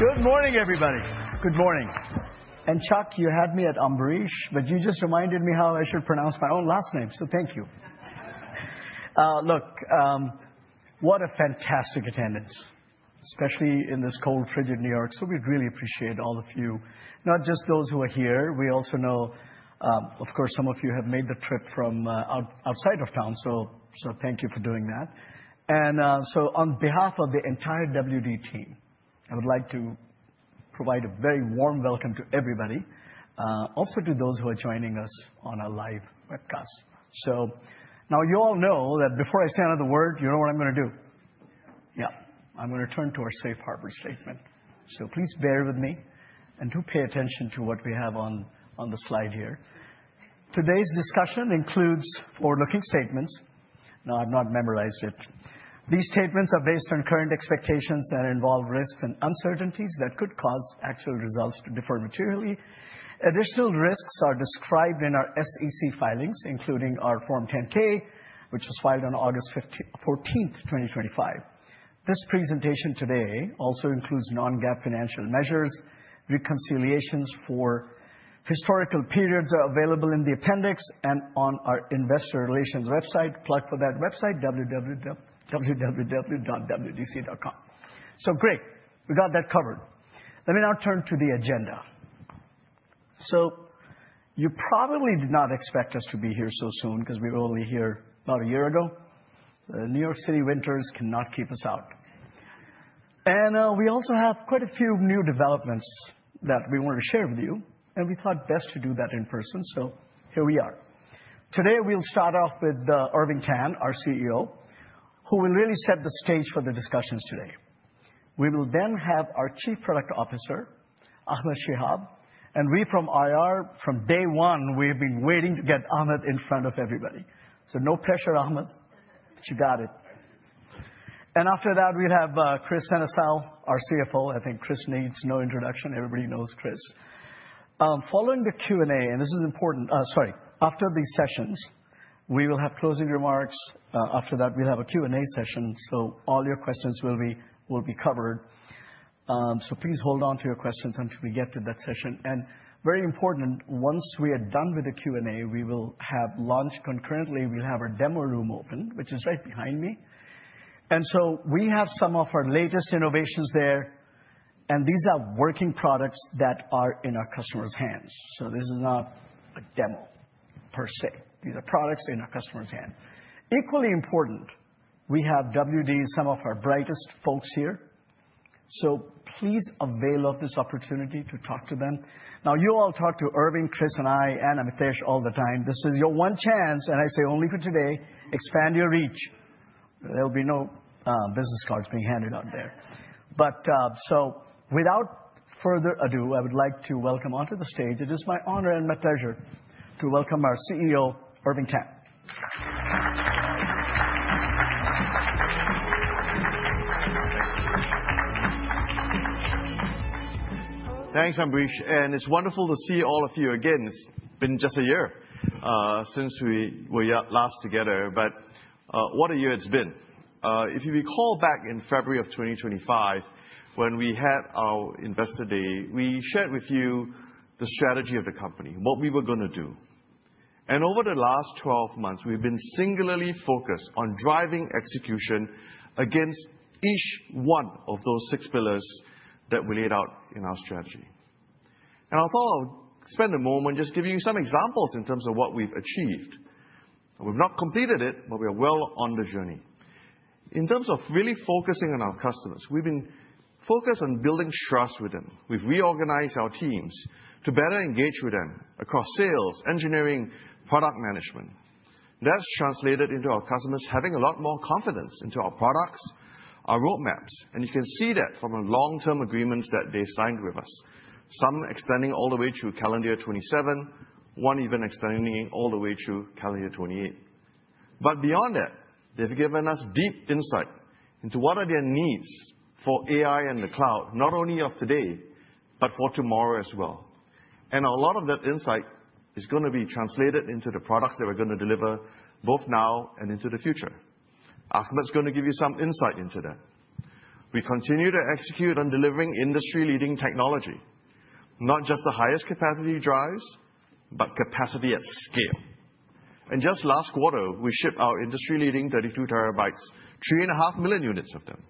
Good morning, everybody. Good morning. And Chuck, you had me at Ambrish, but you just reminded me how I should pronounce my own last name, so thank you. Look, what a fantastic attendance, especially in this cold, frigid New York. So we really appreciate all of you, not just those who are here. We also know, of course, some of you have made the trip from outside of town, so thank you for doing that. And so on behalf of the entire WD team, I would like to provide a very warm welcome to everybody, also to those who are joining us on our live webcast. So now you all know that before I say another word, you know what I'm going to do? Yeah, I'm going to turn to our safe harbor statement. So please bear with me and do pay attention to what we have on, on the slide here. Today's discussion includes forward-looking statements. No, I've not memorized it. These statements are based on current expectations that involve risks and uncertainties that could cause actual results to differ materially. Additional risks are described in our SEC filings, including our Form 10-K, which was filed on 14th August, 2025. This presentation today also includes non-GAAP financial measures. Reconciliations for historical periods are available in the appendix and on our investor relations website. Plug for that website, www.wdc.com. So great, we got that covered. Let me now turn to the agenda. So you probably did not expect us to be here so soon, because we were only here about a year ago. New York City winters cannot keep us out. We also have quite a few new developments that we want to share with you, and we thought best to do that in person. So here we are. Today, we'll start off with Irving Tan, our CEO, who will really set the stage for the discussions today. We will then have our Chief Product Officer, Ahmed Shihab, and we from IR, from day one, we've been waiting to get Ahmed in front of everybody. So no pressure, Ahmed, but you got it. After that, we'll have Kris Sennesael, our CFO. I think Kris needs no introduction. Everybody knows Kris. Following the Q&A, and this is important, sorry. After these sessions, we will have closing remarks. After that, we'll have a Q&A session, so all your questions will be, will be covered. So please hold on to your questions until we get to that session. And very important, once we are done with the Q&A, we will have lunch concurrently, we'll have our demo room open, which is right behind me. And so we have some of our latest innovations there, and these are working products that are in our customers' hands. So this is not a demo per se. These are products in our customer's hand. Equally important, we have WD, some of our brightest folks here, so please avail of this opportunity to talk to them. Now, you all talk to Irving, Kris, and I, and Amitesh all the time. This is your one chance, and I say only for today, expand your reach. There will be no business cards being handed out there. Without further ado, I would like to welcome onto the stage. It is my honor and my pleasure to welcome our CEO, Irving Tan. Thanks, Ambrish, and it's wonderful to see all of you again. It's been just a year, since we were last together, but, what a year it's been. If you recall back in February of 2025, when we had our Investor Day, we shared with you the strategy of the company, what we were gonna do. Over the last 12 months, we've been singularly focused on driving execution against each one of those six pillars that we laid out in our strategy. I thought I'd spend a moment just giving you some examples in terms of what we've achieved. We've not completed it, but we are well on the journey. In terms of really focusing on our customers, we've been focused on building trust with them. We've reorganized our teams to better engage with them across sales, engineering, product management. That's translated into our customers having a lot more confidence into our products, our roadmaps, and you can see that from the long-term agreements that they signed with us, some extending all the way through calendar year 2027, one even extending all the way through calendar year 2028. But beyond that, they've given us deep insight into what are their needs for AI and the cloud, not only of today, but for tomorrow as well. And a lot of that insight is going to be translated into the products that we're going to deliver, both now and into the future. Ahmed is going to give you some insight into that. We continue to execute on delivering industry-leading technology, not just the highest capacity drives, but capacity at scale. And just last quarter, we shipped our industry-leading 32 TB, 3.5 million units of them.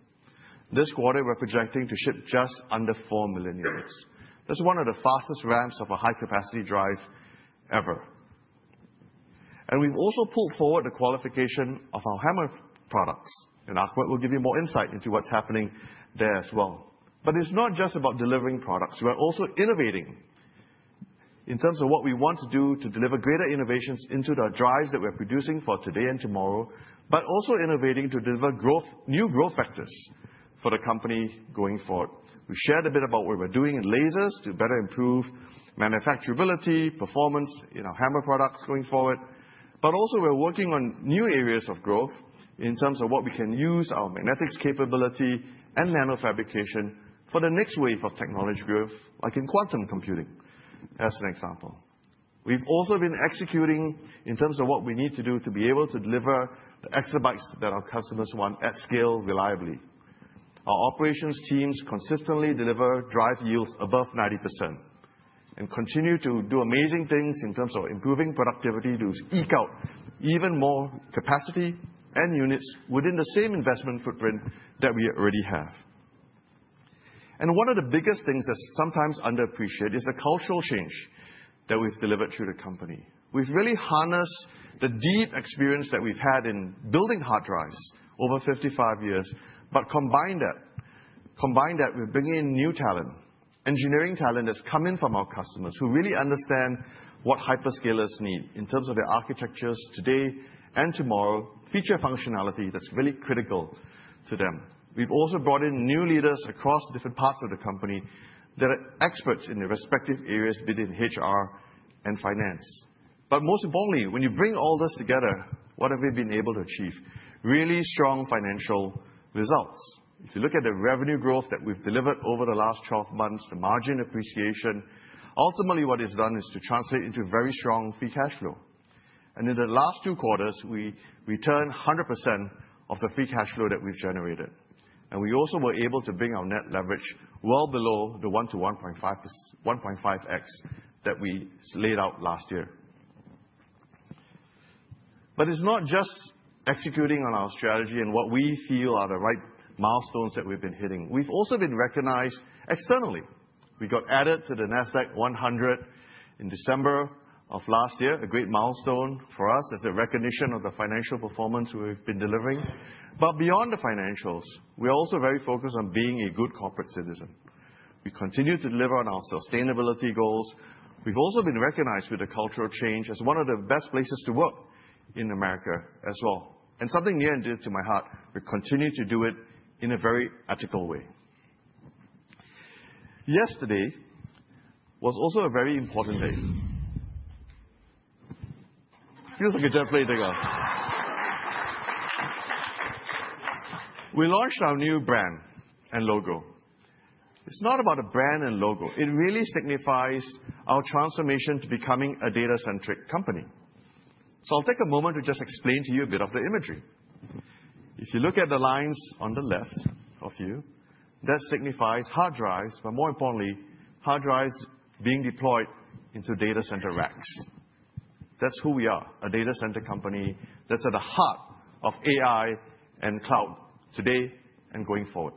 This quarter, we're projecting to ship just under four million units. That's one of the fastest ramps of a high-capacity drive ever. We've also pulled forward the qualification of our HAMR products, and Ahmed will give you more insight into what's happening there as well. It's not just about delivering products. We're also innovating in terms of what we want to do to deliver greater innovations into the drives that we're producing for today and tomorrow, but also innovating to deliver growth, new growth vectors for the company going forward. We shared a bit about what we're doing in lasers to better improve manufacturability, performance in our HAMR products going forward. Also, we're working on new areas of growth in terms of what we can use our magnetics capability and nanofabrication for the next wave of technology growth, like in quantum computing, as an example. We've also been executing in terms of what we need to do to be able to deliver the exabytes that our customers want at scale reliably. Our operations teams consistently deliver drive yields above 90%, and continue to do amazing things in terms of improving productivity to eke out even more capacity and units within the same investment footprint that we already have. One of the biggest things that's sometimes underappreciated is the cultural change that we've delivered through the company. We've really harnessed the deep experience that we've had in building hard drives over 55 years, but combined that with bringing in new talent, engineering talent that's coming from our customers, who really understand what hyperscalers need in terms of their architectures today and tomorrow, feature functionality that's really critical to them. We've also brought in new leaders across different parts of the company that are experts in their respective areas within HR and finance. But most importantly, when you bring all this together, what have we been able to achieve? Really strong financial results. If you look at the revenue growth that we've delivered over the last 12 months, the margin appreciation, ultimately, what it's done is to translate into very strong free cash flow. And in the last two quarters, we returned 100% of the free cash flow that we've generated, and we also were able to bring our net leverage well below the 1-1.5x that we laid out last year. But it's not just executing on our strategy and what we feel are the right milestones that we've been hitting. We've also been recognized externally. We got added to the Nasdaq-100 in December of last year, a great milestone for us as a recognition of the financial performance we've been delivering. But beyond the financials, we're also very focused on being a good corporate citizen. We continue to deliver on our sustainability goals. We've also been recognized with the cultural change as one of the best places to work in America as well. And something near and dear to my heart, we continue to do it in a very ethical way. Yesterday was also a very important day. Feels like a jet plane took off. We launched our new brand and logo. It's not about a brand and logo. It really signifies our transformation to becoming a data-centric company. So I'll take a moment to just explain to you a bit of the imagery. If you look at the lines on the left of you, that signifies hard drives, but more importantly, hard drives being deployed into data center racks. That's who we are, a data center company that's at the heart of AI and cloud today and going forward.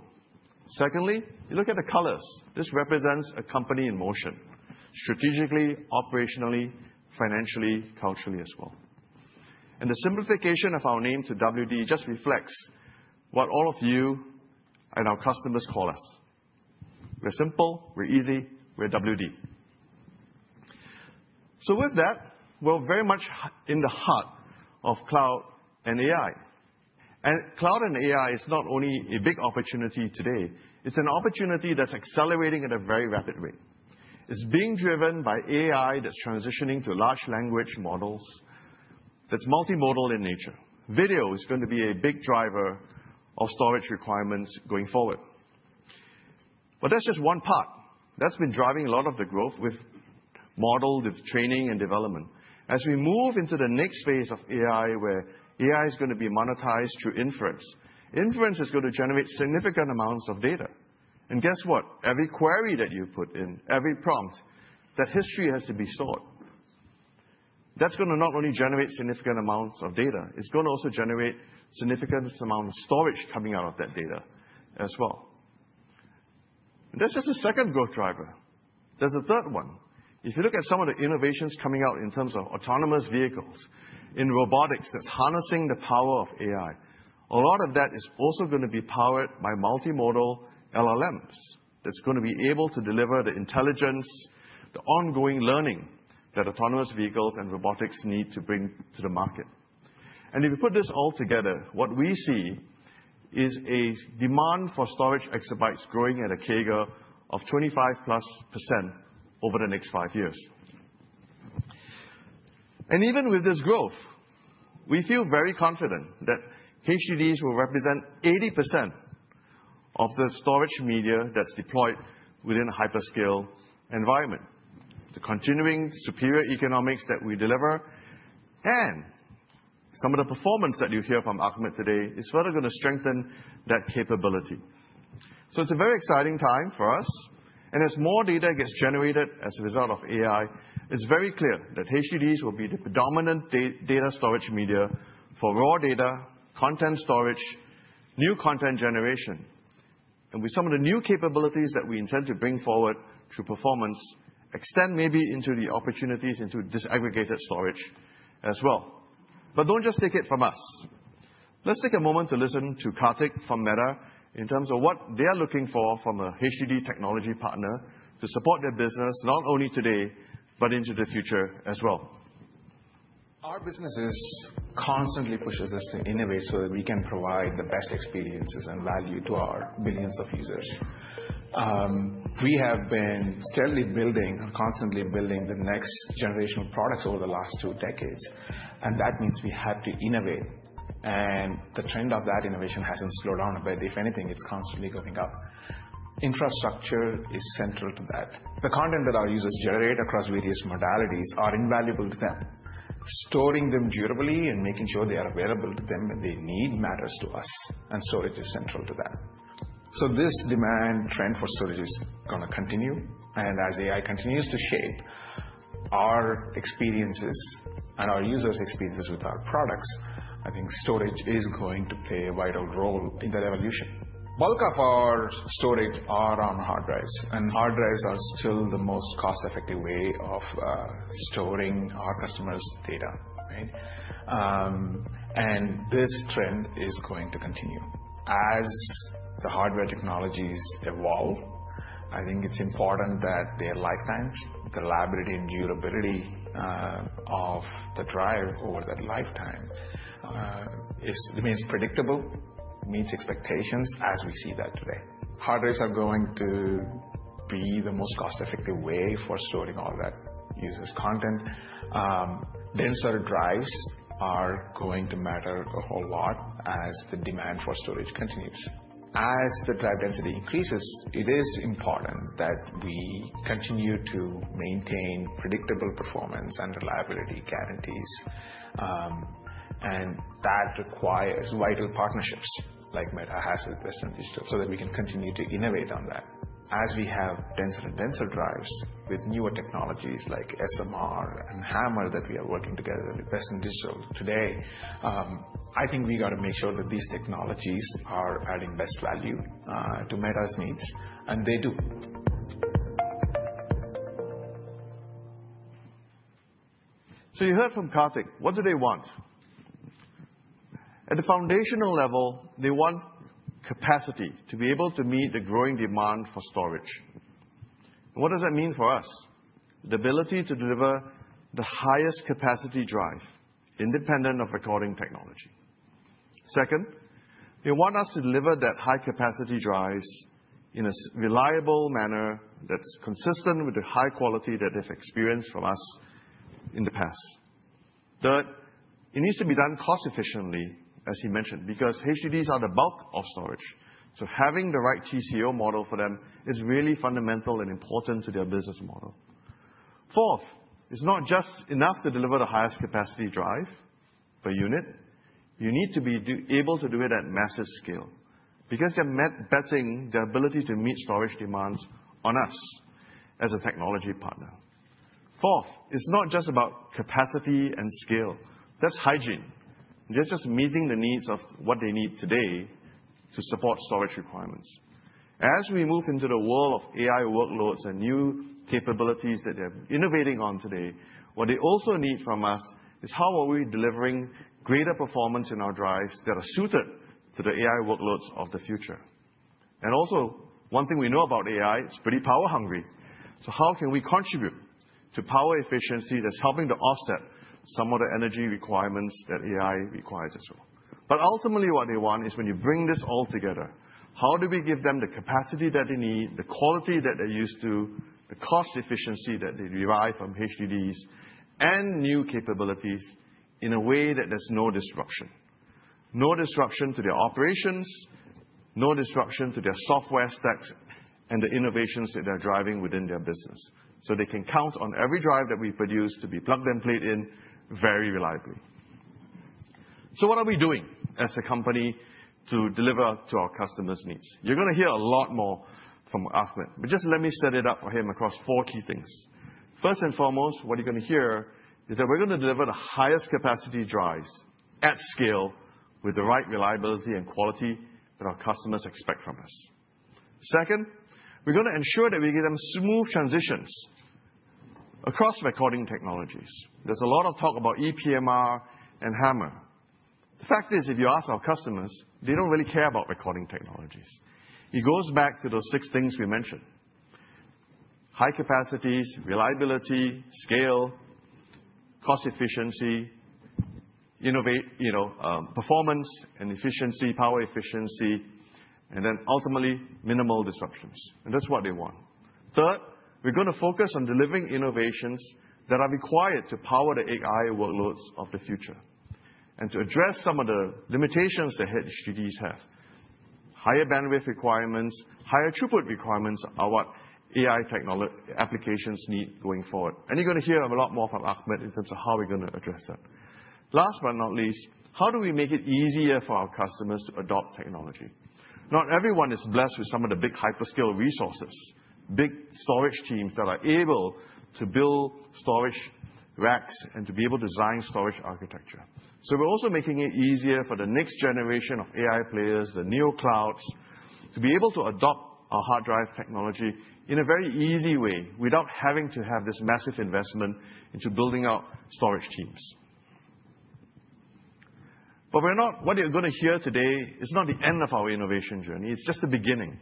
Secondly, you look at the colors. This represents a company in motion, strategically, operationally, financially, culturally as well. And the simplification of our name to WD just reflects what all of you and our customers call us. We're simple, we're easy, we're WD. So with that, we're very much in the heart of cloud and AI. And cloud and AI is not only a big opportunity today, it's an opportunity that's accelerating at a very rapid rate. It's being driven by AI that's transitioning to large language models, that's multimodal in nature. Video is going to be a big driver of storage requirements going forward. But that's just one part that's been driving a lot of the growth with model, with training, and development. As we move into the next phase of AI, where AI is going to be monetized through inference, inference is going to generate significant amounts of data. And guess what? Every query that you put in, every prompt, that history has to be stored. That's going to not only generate significant amounts of data, it's going to also generate significant amount of storage coming out of that data as well. And that's just the second growth driver. There's a third one. If you look at some of the innovations coming out in terms of autonomous vehicles, in robotics, that's harnessing the power of AI, a lot of that is also going to be powered by multimodal LLMs, that's going to be able to deliver the intelligence, the ongoing learning, that autonomous vehicles and robotics need to bring to the market. If you put this all together, what we see is a demand for storage exabytes growing at a CAGR of 25% plus over the next five years. Even with this growth, we feel very confident that HDDs will represent 80% of the storage media that's deployed within a hyperscale environment. The continuing superior economics that we deliver and some of the performance that you'll hear from Ahmed today is further going to strengthen that capability. So it's a very exciting time for us, and as more data gets generated as a result of AI, it's very clear that HDDs will be the predominant data storage media for raw data, content storage, new content generation. And with some of the new capabilities that we intend to bring forward through performance, extend maybe into the opportunities into disaggregated storage as well. But don't just take it from us. Let's take a moment to listen to Karthik from Meta, in terms of what they are looking for from a HDD technology partner to support their business, not only today, but into the future as well. Our business is constantly pushes us to innovate so that we can provide the best experiences and value to our billions of users. We have been steadily building, constantly building the next generation of products over the last two decades, and that means we have to innovate and the trend of that innovation hasn't slowed down, but if anything, it's constantly going up. Infrastructure is central to that. The content that our users generate across various modalities are invaluable to them. Storing them durably and making sure they are available to them when they need, matters to us, and storage is central to that. So this demand trend for storage is going to continue, and as AI continues to shape our experiences and our users' experiences with our products, I think storage is going to play a vital role in that evolution. Bulk of our storage are on hard drives, and hard drives are still the most cost-effective way of storing our customers' data, right? This trend is going to continue. As the hardware technologies evolve, I think it's important that their lifetimes, the reliability and durability of the drive over that lifetime remains predictable, meets expectations as we see that today. Hard drives are going to be the most cost-effective way for storing all that users' content. Denser drives are going to matter a whole lot as the demand for storage continues. As the drive density increases, it is important that we continue to maintain predictable performance and reliability guarantees, and that requires vital partnerships like Meta has with Western Digital, so that we can continue to innovate on that. As we have denser and denser drives with newer technologies like SMR and HAMR that we are working together with Western Digital today, I think we got to make sure that these technologies are adding best value to Meta's needs, and they do. So you heard from Karthik, what do they want? At the foundational level, they want capacity to be able to meet the growing demand for storage. What does that mean for us? The ability to deliver the highest capacity drive, independent of recording technology. Second, they want us to deliver that high capacity drives in a reliable manner that's consistent with the high quality that they've experienced from us in the past. Third, it needs to be done cost efficiently, as he mentioned, because HDDs are the bulk of storage, so having the right TCO model for them is really fundamental and important to their business model. Fourth, it's not just enough to deliver the highest capacity drive per unit. You need to be able to do it at massive scale, because they're betting their ability to meet storage demands on us as a technology partner. Fourth, it's not just about capacity and scale. That's hygiene. That's just meeting the needs of what they need today to support storage requirements. As we move into the world of AI workloads and new capabilities that they're innovating on today, what they also need from us is, how are we delivering greater performance in our drives that are suited to the AI workloads of the future? And also, one thing we know about AI, it's pretty power hungry. So how can we contribute to power efficiency that's helping to offset some of the energy requirements that AI requires as well? But ultimately, what they want is when you bring this all together, how do we give them the capacity that they need, the quality that they're used to, the cost efficiency that they derive from HDDs, and new capabilities in a way that there's no disruption? No disruption to their operations, no disruption to their software stacks, and the innovations that they're driving within their business. So they can count on every drive that we produce to be plug-and-play and very reliably. So what are we doing as a company to deliver to our customers' needs? You're going to hear a lot more from Ahmed, but just let me set it up for him across four key things. First and foremost, what you're going to hear is that we're going to deliver the highest capacity drives at scale, with the right reliability and quality that our customers expect from us. Second, we're going to ensure that we give them smooth transitions across recording technologies. There's a lot of talk about ePMR and HAMR. The fact is, if you ask our customers, they don't really care about recording technologies. It goes back to those six things we mentioned: high capacities, reliability, scale, cost efficiency, innovate, you know, performance and efficiency, power efficiency, and then ultimately, minimal disruptions. That's what they want. Third, we're going to focus on delivering innovations that are required to power the AI workloads of the future and to address some of the limitations that HDDs have. Higher bandwidth requirements, higher throughput requirements are what AI applications need going forward. You're going to hear a lot more from Ahmed in terms of how we're going to address that. Last but not least, how do we make it easier for our customers to adopt technology? Not everyone is blessed with some of the big hyperscale resources, big storage teams that are able to build storage racks and to be able to design storage architecture. So we're also making it easier for the next generation of AI players, the new clouds, to be able to adopt our hard drive technology in a very easy way, without having to have this massive investment into building out storage teams. But we're not. What you're going to hear today is not the end of our innovation journey, it's just the beginning.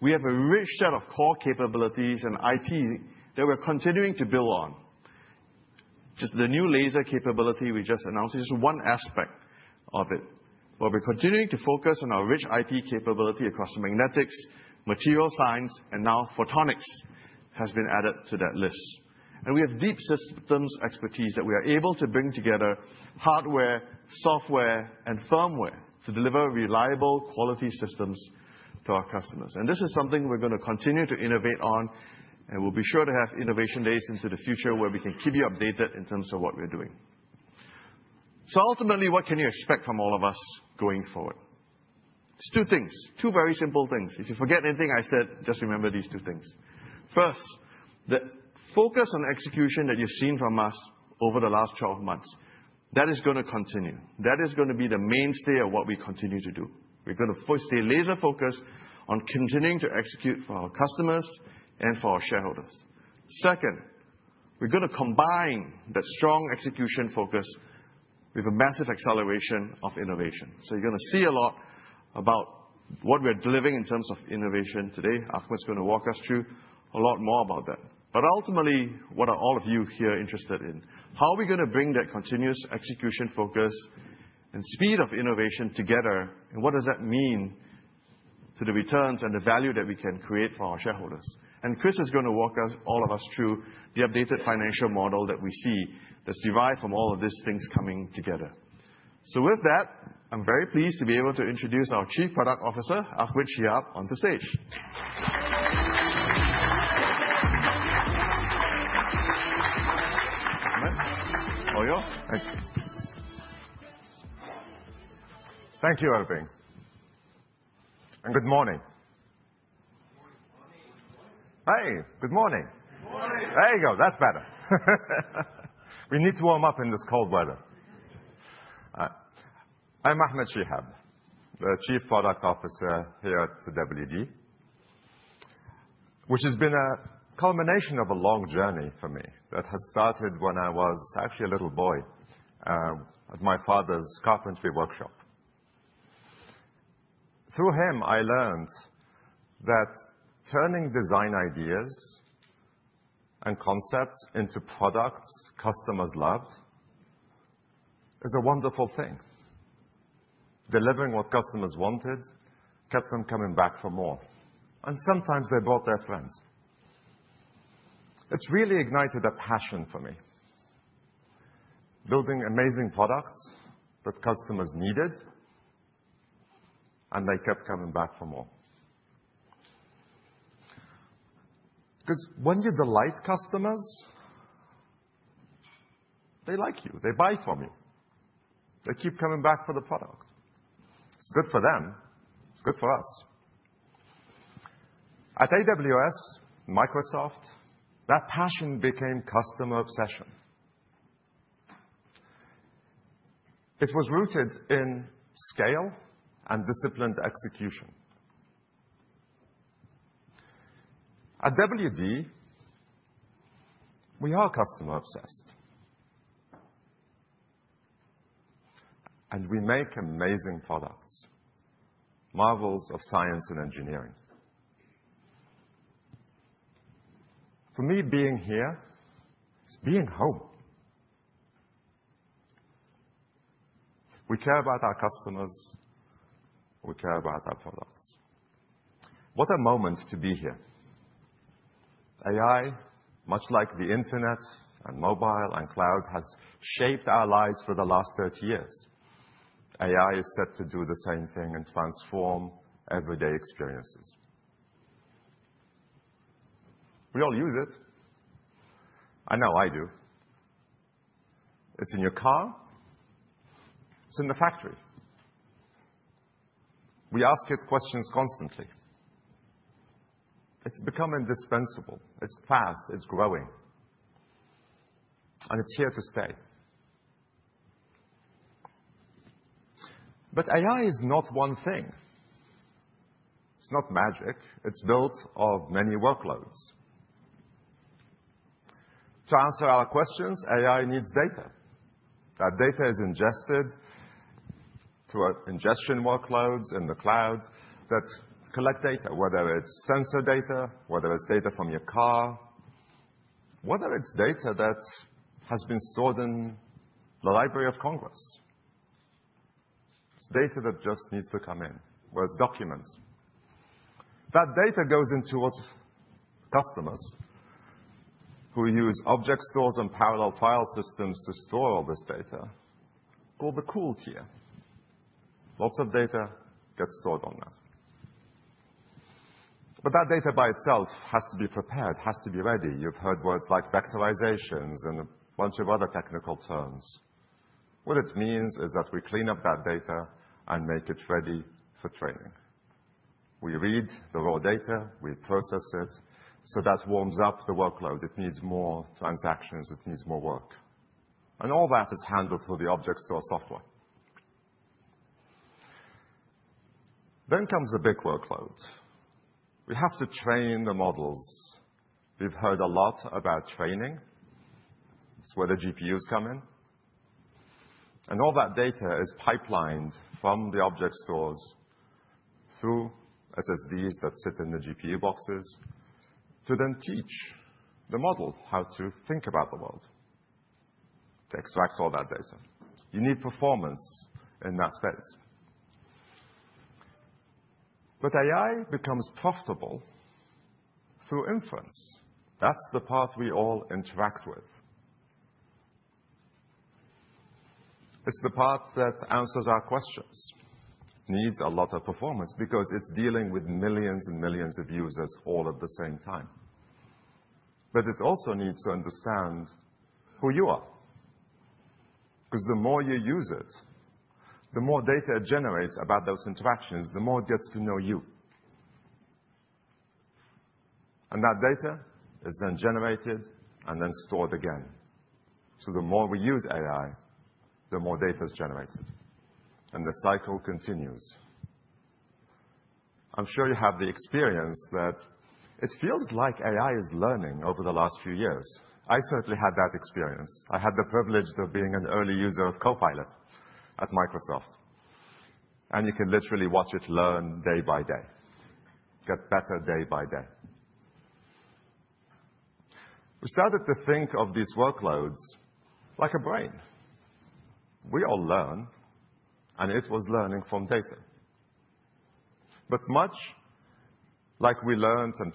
We have a rich set of core capabilities and IP that we're continuing to build on. Just the new laser capability we just announced is one aspect of it.... While we're continuing to focus on our rich IP capability across magnetics, material science, and now photonics has been added to that list. We have deep systems expertise that we are able to bring together hardware, software, and firmware to deliver reliable quality systems to our customers, and this is something we're going to continue to innovate on, and we'll be sure to have innovation days into the future where we can keep you updated in terms of what we're doing. So ultimately, what can you expect from all of us going forward? It's two things, two very simple things. If you forget anything I said, just remember these two things. First, the focus on execution that you've seen from us over the last 12 months, that is gonna continue. That is gonna be the mainstay of what we continue to do. We're gonna first stay laser focused on continuing to execute for our customers and for our shareholders. Second, we're gonna combine that strong execution focus with a massive acceleration of innovation. So you're gonna see a lot about what we're delivering in terms of innovation today. Ahmed's gonna walk us through a lot more about that. But ultimately, what are all of you here interested in? How are we gonna bring that continuous execution focus and speed of innovation together, and what does that mean to the returns and the value that we can create for our shareholders? And Kris is gonna walk us, all of us through the updated financial model that we see that's derived from all of these things coming together. So with that, I'm very pleased to be able to introduce our Chief Product Officer, Ahmed Shihab, onto stage. All yours. Thank you. Thank you, Irving, and good morning. Good morning. Hey, good morning! Good morning. There you go. That's better. We need to warm up in this cold weather. I'm Ahmed Shihab, the Chief Product Officer here at WD, which has been a culmination of a long journey for me that has started when I was actually a little boy, at my father's carpentry workshop. Through him, I learned that turning design ideas and concepts into products customers loved is a wonderful thing. Delivering what customers wanted kept them coming back for more, and sometimes they brought their friends. It's really ignited a passion for me, building amazing products that customers needed, and they kept coming back for more. 'Cause when you delight customers, they like you. They buy from you. They keep coming back for the product. It's good for them. It's good for us. At AWS, Microsoft, that passion became customer obsession. It was rooted in scale and disciplined execution. At WD, we are customer-obsessed... We make amazing products, marvels of science and engineering. For me, being here is being home. We care about our customers. We care about our products. What a moment to be here! AI, much like the internet and mobile and cloud, has shaped our lives for the last 30 years. AI is set to do the same thing and transform everyday experiences. We all use it. I know I do. It's in your car. It's in the factory. We ask it questions constantly. It's become indispensable. It's fast, it's growing, and it's here to stay. But AI is not one thing. It's not magic. It's built of many workloads. To answer our questions, AI needs data. That data is ingested through our ingestion workloads in the cloud that collect data, whether it's sensor data, whether it's data from your car, whether it's data that has been stored in the Library of Congress. It's data that just needs to come in, whether it's documents. That data goes into what customers who use object stores and parallel file systems to store all this data, called the cool tier. Lots of data gets stored on that. But that data by itself has to be prepared, has to be ready. You've heard words like vectorizations and a bunch of other technical terms. What it means is that we clean up that data and make it ready for training. We read the raw data, we process it, so that warms up the workload. It needs more transactions. It needs more work, and all that is handled through the object store software. Then comes the big workload. We have to train the models. We've heard a lot about training. It's where the GPUs come in, and all that data is pipelined from the object stores, through SSDs that sit in the GPU boxes, to then teach the model how to think about the world, to extract all that data. You need performance in that space. But AI becomes profitable through inference. That's the part we all interact with. It's the part that answers our questions, needs a lot of performance because it's dealing with millions and millions of users all at the same time. But it also needs to understand who you are, 'cause the more you use it, the more data it generates about those interactions, the more it gets to know you. And that data is then generated and then stored again. So the more we use AI, the more data is generated, and the cycle continues. I'm sure you have the experience that it feels like AI is learning over the last few years. I certainly had that experience. I had the privilege of being an early user of Copilot at Microsoft, and you can literally watch it learn day by day, get better day by day. We started to think of these workloads like a brain. We all learn, and it was learning from data. But much like we learned and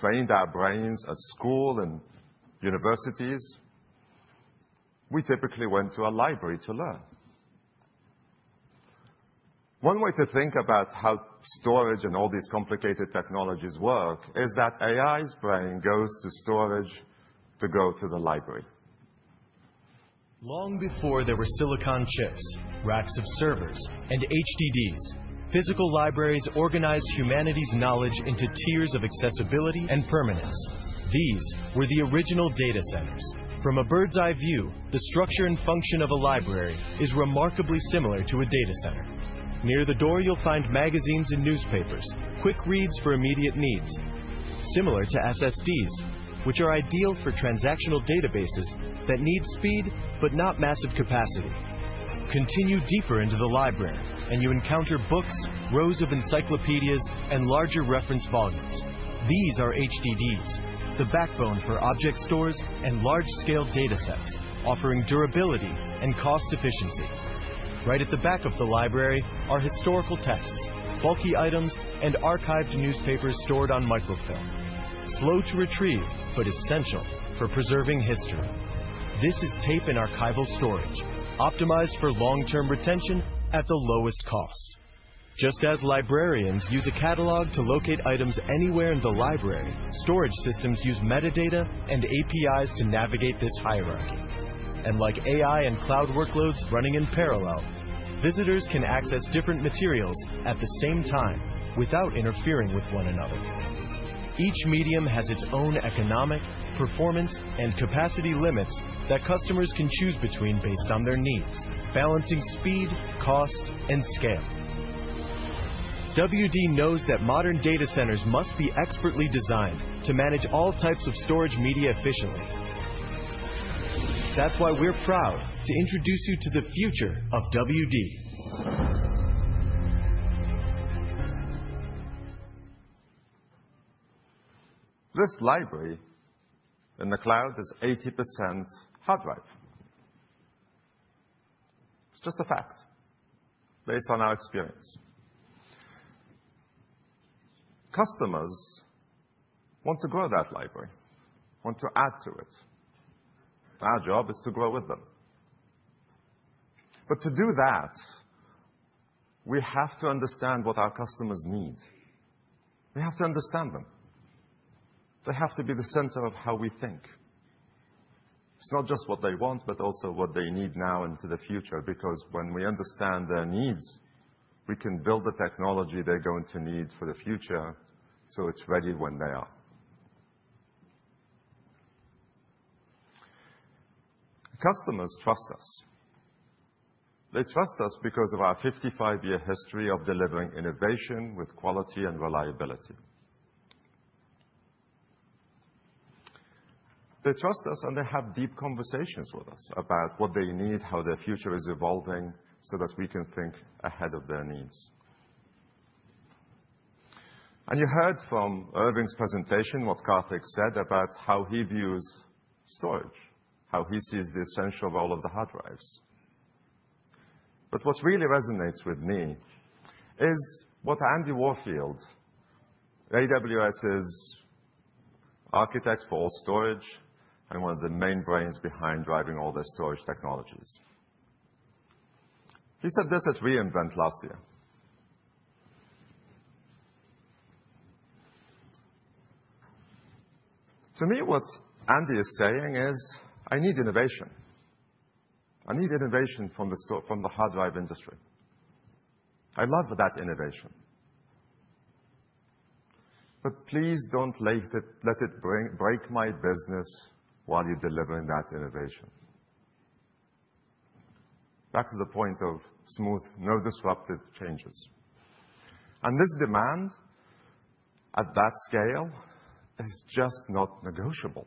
trained our brains at school and universities, we typically went to a library to learn. One way to think about how storage and all these complicated technologies work is that AI's brain goes to storage to go to the library. Long before there were silicon chips, racks of servers, and HDDs, physical libraries organized humanity's knowledge into tiers of accessibility and permanence. These were the original data centers. From a bird's-eye view, the structure and function of a library is remarkably similar to a data center. Near the door, you'll find magazines and newspapers, quick reads for immediate needs, similar to SSDs, which are ideal for transactional databases that need speed but not massive capacity. Continue deeper into the library, and you encounter books, rows of encyclopedias, and larger reference volumes. These are HDDs, the backbone for object stores and large-scale datasets, offering durability and cost efficiency. Right at the back of the library are historical texts, bulky items, and archived newspapers stored on microfilm. Slow to retrieve, but essential for preserving history. This is tape and archival storage, optimized for long-term retention at the lowest cost. Just as librarians use a catalog to locate items anywhere in the library, storage systems use metadata and APIs to navigate this hierarchy. Like AI and cloud workloads running in parallel, visitors can access different materials at the same time without interfering with one another. Each medium has its own economic, performance, and capacity limits that customers can choose between based on their needs, balancing speed, cost, and scale. WD knows that modern data centers must be expertly designed to manage all types of storage media efficiently. That's why we're proud to introduce you to the future of WD. This library in the cloud is 80% hard drive. It's just a fact, based on our experience. Customers want to grow that library, want to add to it. Our job is to grow with them. But to do that, we have to understand what our customers need. We have to understand them. They have to be the center of how we think. It's not just what they want, but also what they need now into the future, because when we understand their needs, we can build the technology they're going to need for the future, so it's ready when they are. Customers trust us. They trust us because of our 55-year history of delivering innovation with quality and reliability. They trust us, and they have deep conversations with us about what they need, how their future is evolving, so that we can think ahead of their needs. You heard from Irving's presentation what Karthik said about how he views storage, how he sees the essential role of the hard drives. But what really resonates with me is what Andy Warfield, AWS's architect for all storage and one of the main brains behind driving all the storage technologies, said at re:Invent last year. To me, what Andy is saying is, "I need innovation. I need innovation from the hard drive industry. I love that innovation, but please don't let it break my business while you're delivering that innovation." Back to the point of smooth, no disruptive changes. And this demand at that scale is just not negotiable...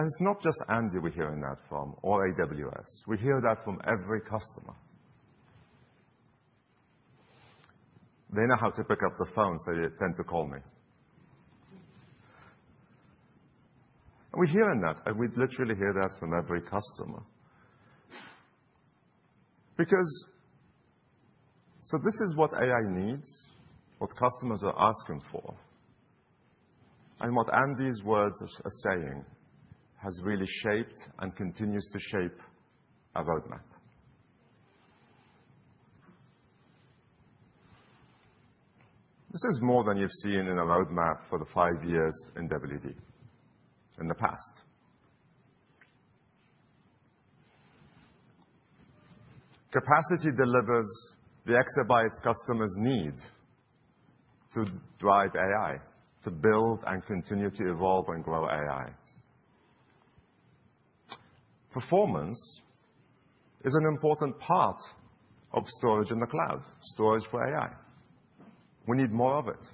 And it's not just Andy we're hearing that from or AWS, we hear that from every customer. They know how to pick up the phone, so they tend to call me. We're hearing that, and we literally hear that from every customer. Because this is what AI needs, what customers are asking for, and what Andy's words are saying has really shaped and continues to shape our roadmap. This is more than you've seen in a roadmap for the five years in WD in the past. Capacity delivers the exabytes customers need to drive AI, to build and continue to evolve and grow AI. Performance is an important part of storage in the cloud, storage for AI. We need more of it.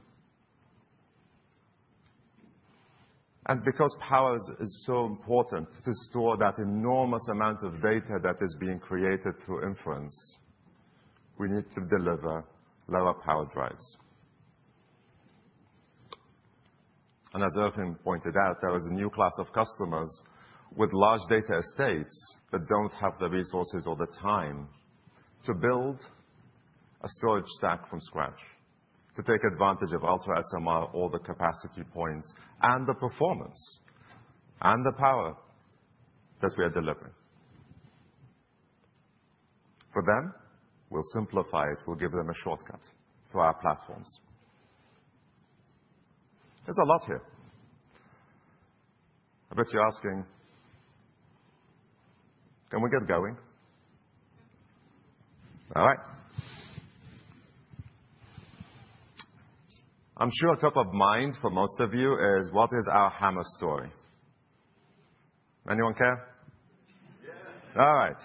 And because power is so important to store that enormous amount of data that is being created through inference, we need to deliver lower power drives. As Irving pointed out, there is a new class of customers with large data estates that don't have the resources or the time to build a storage stack from scratch, to take advantage of UltraSMR or the capacity points, and the performance, and the power that we are delivering. For them, we'll simplify it. We'll give them a shortcut through our platforms. There's a lot here. I bet you're asking, "Can we get going?" All right. I'm sure top of mind for most of you is: What is our HAMR story? Anyone care? Yeah. All right.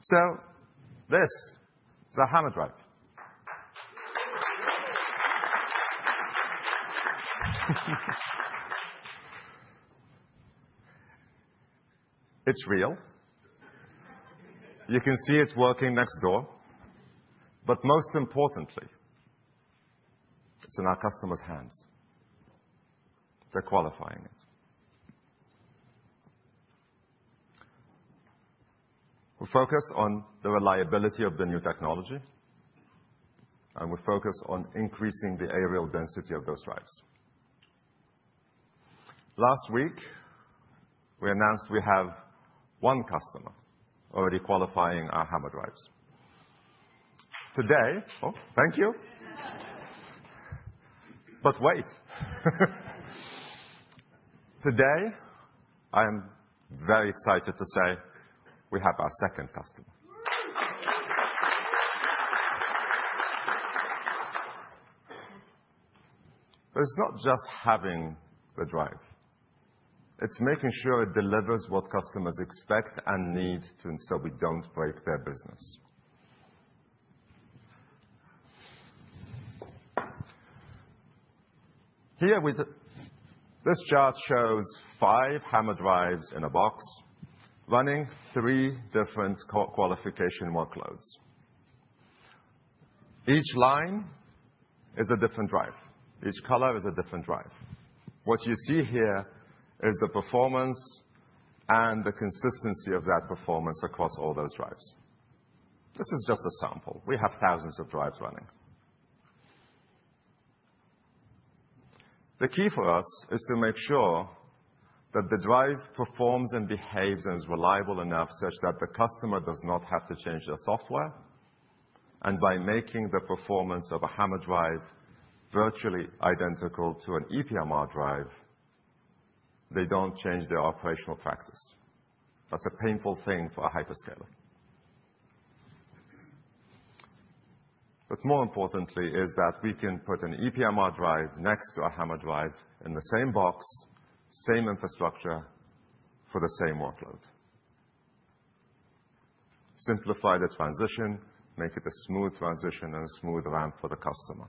So this is a HAMR drive. It's real. You can see it's working next door. But most importantly, it's in our customers' hands. They're qualifying it. We focus on the reliability of the new technology, and we focus on increasing the areal density of those drives. Last week, we announced we have one customer already qualifying our HAMR drives. Today... Oh, thank you. But wait, today, I am very excited to say we have our second customer. But it's not just having the drive, it's making sure it delivers what customers expect and need, and so we don't break their business. This chart shows five HAMR drives in a box, running three different co-qualification workloads. Each line is a different drive. Each color is a different drive. What you see here is the performance and the consistency of that performance across all those drives. This is just a sample. We have thousands of drives running. The key for us is to make sure that the drive performs and behaves, and is reliable enough such that the customer does not have to change their software. By making the performance of a HAMR drive virtually identical to an ePMR drive, they don't change their operational practice. That's a painful thing for a hyperscaler. But more importantly is that we can put an ePMR drive next to a HAMR drive in the same box, same infrastructure for the same workload. Simplify the transition, make it a smooth transition and a smooth ramp for the customer.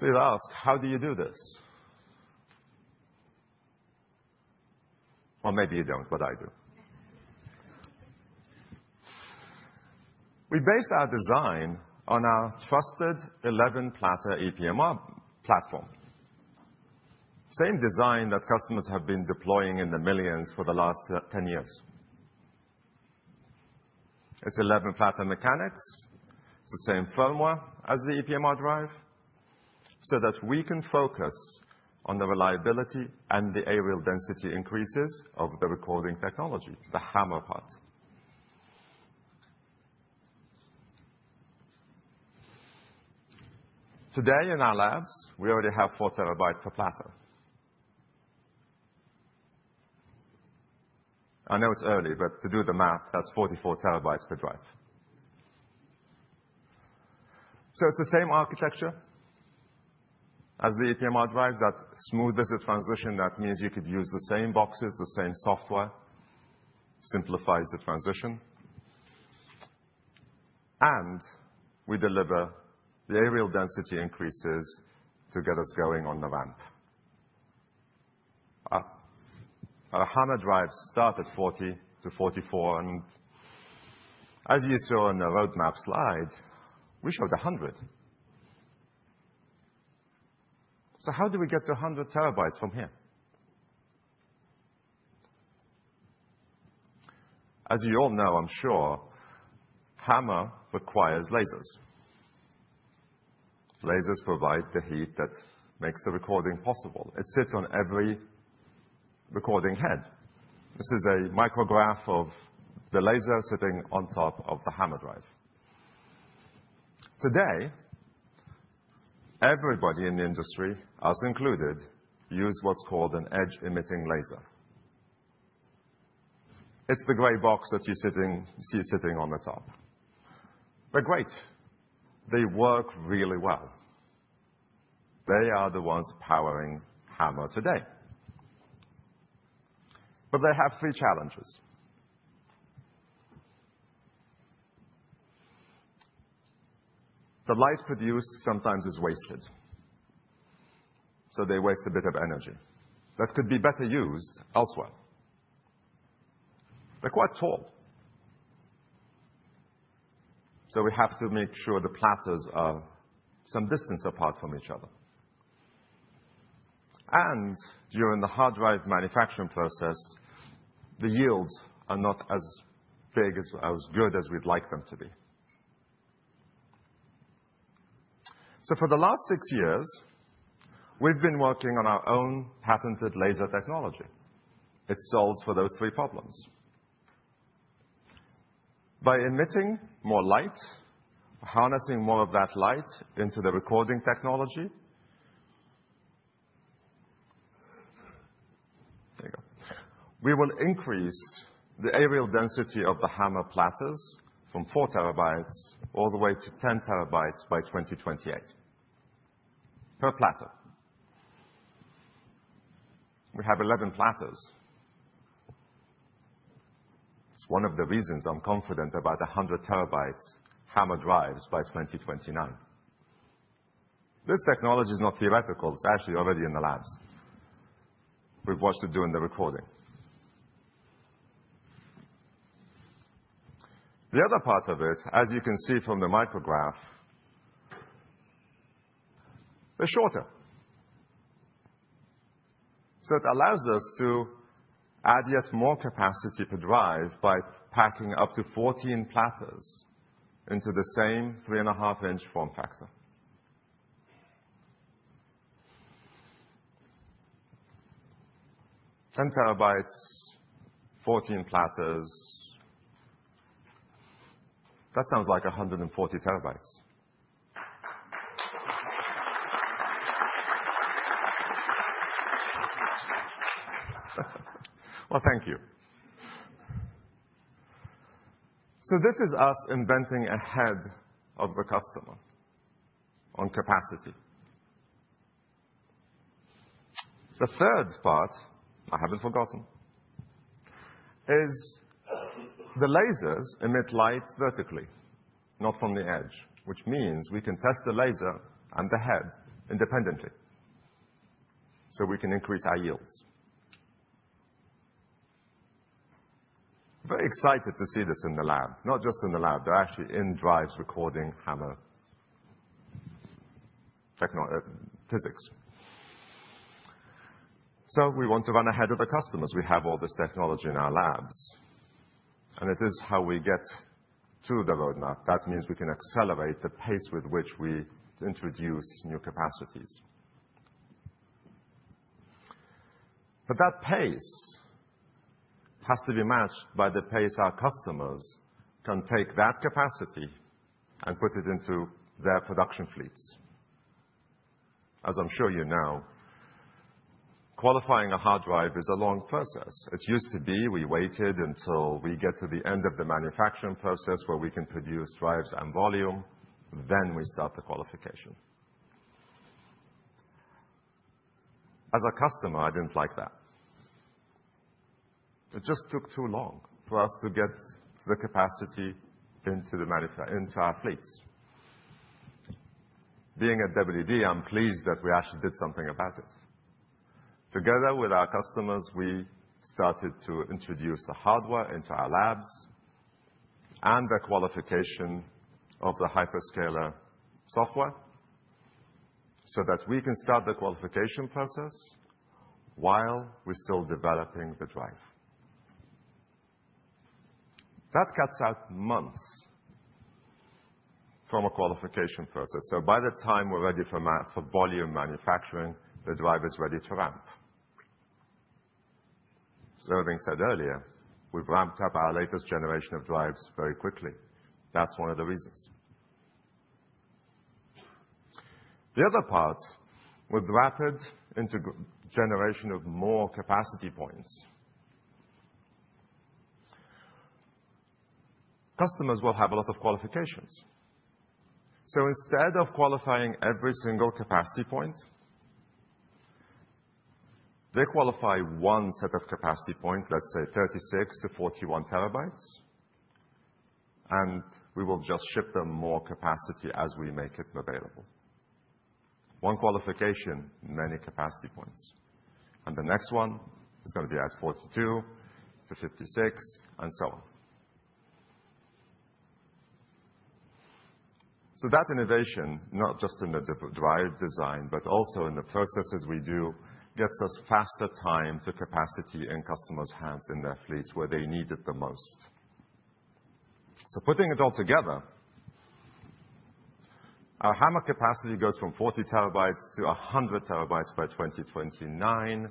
So you ask, "How do you do this?" Or maybe you don't, but I do. We based our design on our trusted 11-platter ePMR platform. Same design that customers have been deploying in the millions for the last 10 years. It's 11-platter mechanics. It's the same firmware as the ePMR drive, so that we can focus on the reliability and the areal density increases of the recording technology, the HAMR part. Today in our labs, we already have 4 TB per platter. I know it's early, but to do the math, that's 44 TB per drive. So it's the same architecture as the ePMR drives, that smooth as a transition. That means you could use the same boxes, the same software, simplifies the transition... and we deliver the areal density increases to get us going on the ramp. Our HAMR drives start at 40-44, and as you saw in the roadmap slide, we showed 100. So how do we get to 100 TB from here? As you all know, I'm sure, HAMR requires lasers. Lasers provide the heat that makes the recording possible. It sits on every recording head. This is a micrograph of the laser sitting on top of the HAMR drive. Today, everybody in the industry, us included, use what's called an edge-emitting laser. It's the gray box that you're seeing sitting on the top. They're great. They work really well. They are the ones powering HAMR today, but they have three challenges. The light produced sometimes is wasted, so they waste a bit of energy that could be better used elsewhere. They're quite tall, so we have to make sure the platters are some distance apart from each other. And during the hard drive manufacturing process, the yields are not as big, as good as we'd like them to be. So for the last six years, we've been working on our own patented laser technology. It solves for those three problems. By emitting more light, harnessing more of that light into the recording technology... There you go. We will increase the areal density of the HAMR platters from 4 TB all the way to 10 TB by 2028 per platter. We have 11 platters. It's one of the reasons I'm confident about the 100 TB HAMR drives by 2029. This technology is not theoretical. It's actually already in the labs. We've watched it during the recording. The other part of it, as you can see from the micrograph, they're shorter. So it allows us to add yet more capacity to drive by packing up to 14 platters into the same 3.5-inch form factor. 10 TB, 14 platters. That sounds like 140 TB. Well, thank you. So this is us inventing ahead of the customer on capacity. The third part, I haven't forgotten, is the lasers emit light vertically, not from the edge, which means we can test the laser and the head independently, so we can increase our yields. Very excited to see this in the lab. Not just in the lab, they're actually in drives recording HAMR technology physics. So we want to run ahead of the customers. We have all this technology in our labs, and it is how we get to the roadmap. That means we can accelerate the pace with which we introduce new capacities. But that pace has to be matched by the pace our customers can take that capacity and put it into their production fleets. As I'm sure you know, qualifying a hard drive is a long process. It used to be we waited until we get to the end of the manufacturing process, where we can produce drives and volume, then we start the qualification. As a customer, I didn't like that. It just took too long for us to get the capacity into our fleets. Being at WD, I'm pleased that we actually did something about it. Together with our customers, we started to introduce the hardware into our labs and the qualification of the hyperscaler software, so that we can start the qualification process while we're still developing the drive. That cuts out months from a qualification process, so by the time we're ready for volume manufacturing, the drive is ready to ramp. As Irving said earlier, we've ramped up our latest generation of drives very quickly. That's one of the reasons. The other part, with rapid generation of more capacity points, customers will have a lot of qualifications. So instead of qualifying every single capacity point... They qualify one set of capacity points, let's say 36 TB-41 TB, and we will just ship them more capacity as we make it available. One qualification, many capacity points, and the next one is gonna be at 42 TB-56 TB, and so on. So that innovation, not just in the HDD drive design, but also in the processes we do, gets us faster time to capacity in customers' hands, in their fleets, where they need it the most. So putting it all together, our HAMR capacity goes from 40 TB-100 TB by 2029,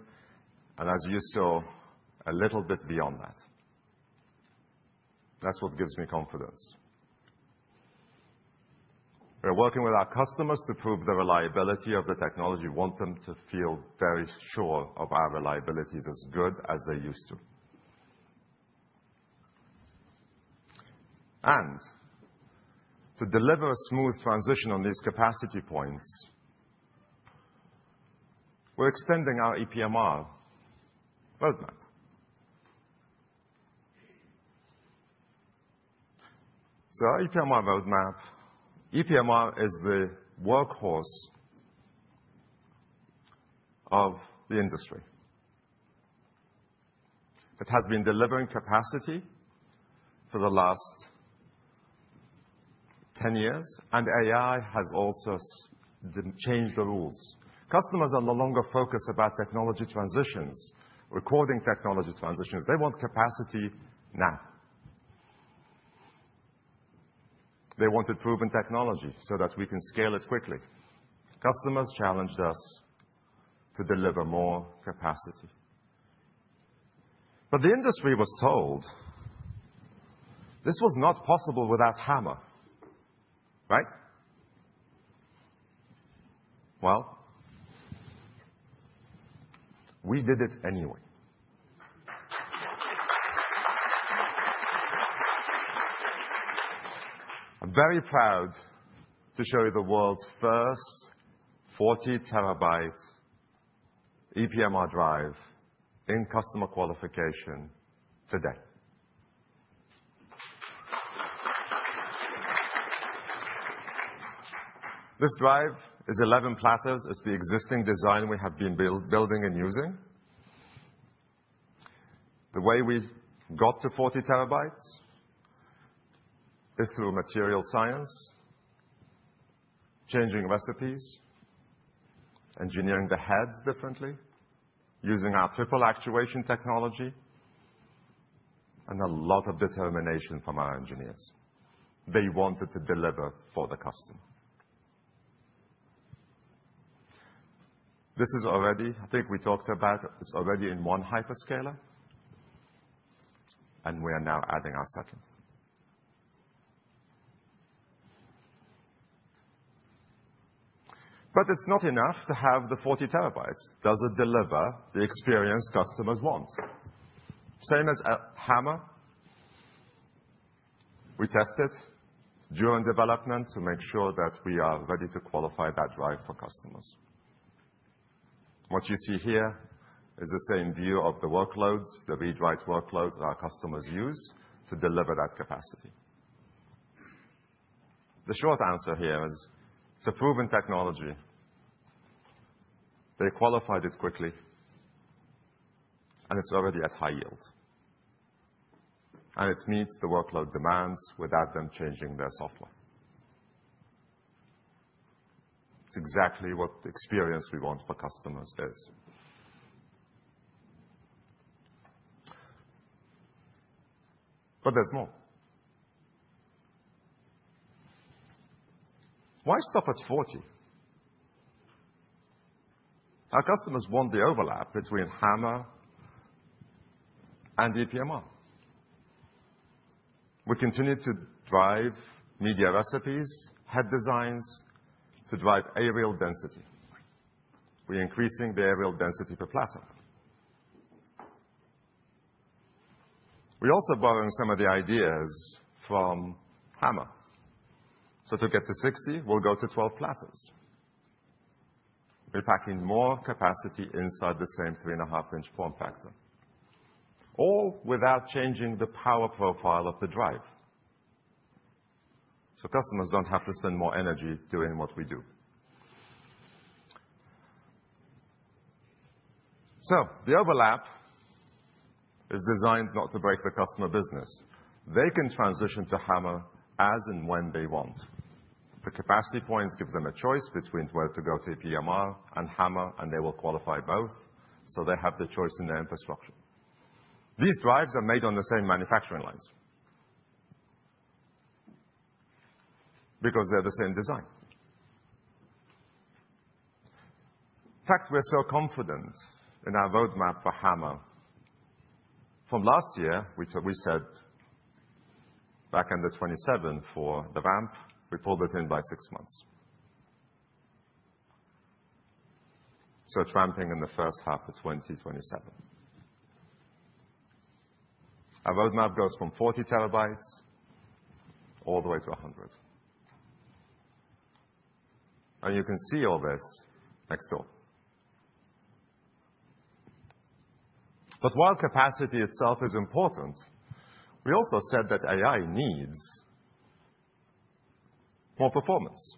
and as you saw, a little bit beyond that. That's what gives me confidence. We're working with our customers to prove the reliability of the technology. We want them to feel very sure of our reliability is as good as they're used to. To deliver a smooth transition on these capacity points, we're extending our ePMR roadmap. Our ePMR roadmap, ePMR is the workhorse of the industry. It has been delivering capacity for the last 10 years, and AI has also changed the rules. Customers are no longer focused about technology transitions, recording technology transitions. They want capacity now. They want a proven technology so that we can scale it quickly. Customers challenged us to deliver more capacity. But the industry was told this was not possible without HAMR, right? Well, we did it anyway. I'm very proud to show you the world's first 40 TB ePMR drive in customer qualification today. This drive is 11 platters. It's the existing design we have been building and using. The way we've got to 40 TB is through material science, changing recipes, engineering the heads differently, using our triple actuation technology, and a lot of determination from our engineers. They wanted to deliver for the customer. This is already—I think we talked about—it's already in one hyperscaler, and we are now adding our second. But it's not enough to have the 40 TB. Does it deliver the experience customers want? Same as HAMR, we test it during development to make sure that we are ready to qualify that drive for customers. What you see here is the same view of the workloads, the read/write workloads our customers use to deliver that capacity. The short answer here is it's a proven technology. They qualified it quickly, and it's already at high yield, and it meets the workload demands without them changing their software. It's exactly what experience we want for customers is. But there's more. Why stop at 40? Our customers want the overlap between HAMR and ePMR. We continue to drive media recipes, head designs, to drive areal density. We're increasing the areal density per platter. We're also borrowing some of the ideas from HAMR. So to get to 60, we'll go to 12 platters. We're packing more capacity inside the same 3.5-inch form factor, all without changing the power profile of the drive, so customers don't have to spend more energy doing what we do. So the overlap is designed not to break the customer business. They can transition to HAMR as and when they want. The capacity points give them a choice between whether to go to ePMR and HAMR, and they will qualify both, so they have the choice in their infrastructure. These drives are made on the same manufacturing lines because they're the same design. In fact, we're so confident in our roadmap for HAMR, from last year, which we said back end of 2027 for the ramp, we pulled it in by six months. So it's ramping in the first half of 2027. Our roadmap goes from 40 TB all the way to 100 TB. And you can see all this next door. But while capacity itself is important, we also said that AI needs more performance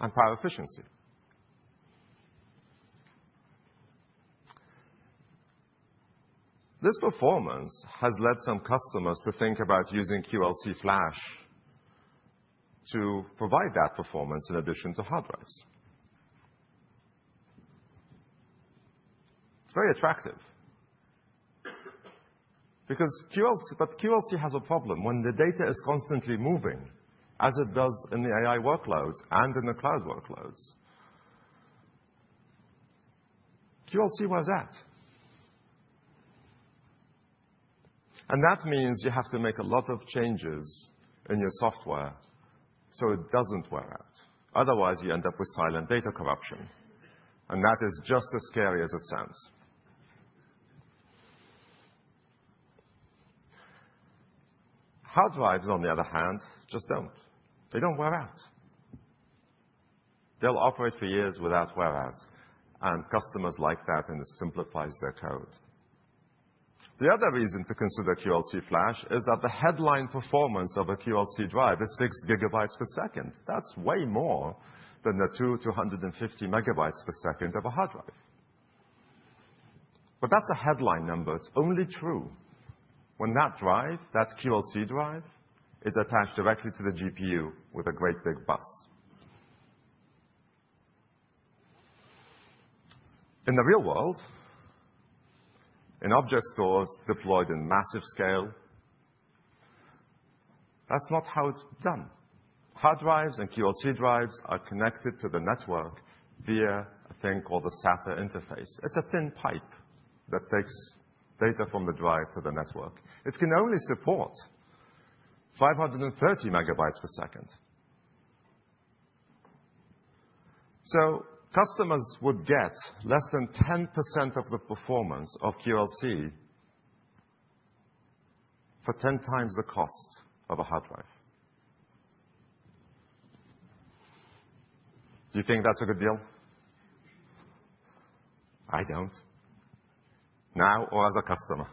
and power efficiency. This performance has led some customers to think about using QLC flash to provide that performance in addition to hard drives. It's very attractive because QLC, but QLC has a problem. When the data is constantly moving, as it does in the AI workloads and in the cloud workloads, QLC wears out. That means you have to make a lot of changes in your software so it doesn't wear out, otherwise you end up with silent data corruption, and that is just as scary as it sounds. Hard drives, on the other hand, just don't. They don't wear out. They'll operate for years without wear out, and customers like that, and it simplifies their code. The other reason to consider QLC flash is that the headline performance of a QLC drive is 6 GB/s. That's way more than the 2-250 MB/s of a hard drive. That's a headline number. It's only true when that drive, that QLC drive, is attached directly to the GPU with a great big bus. In the real world, in object stores deployed in massive scale, that's not how it's done. Hard drives and QLC drives are connected to the network via a thing called the SATA interface. It's a thin pipe that takes data from the drive to the network. It can only support 530 MB/s. So customers would get less than 10% of the performance of QLC for 10 times the cost of a hard drive. Do you think that's a good deal? I don't, now or as a customer.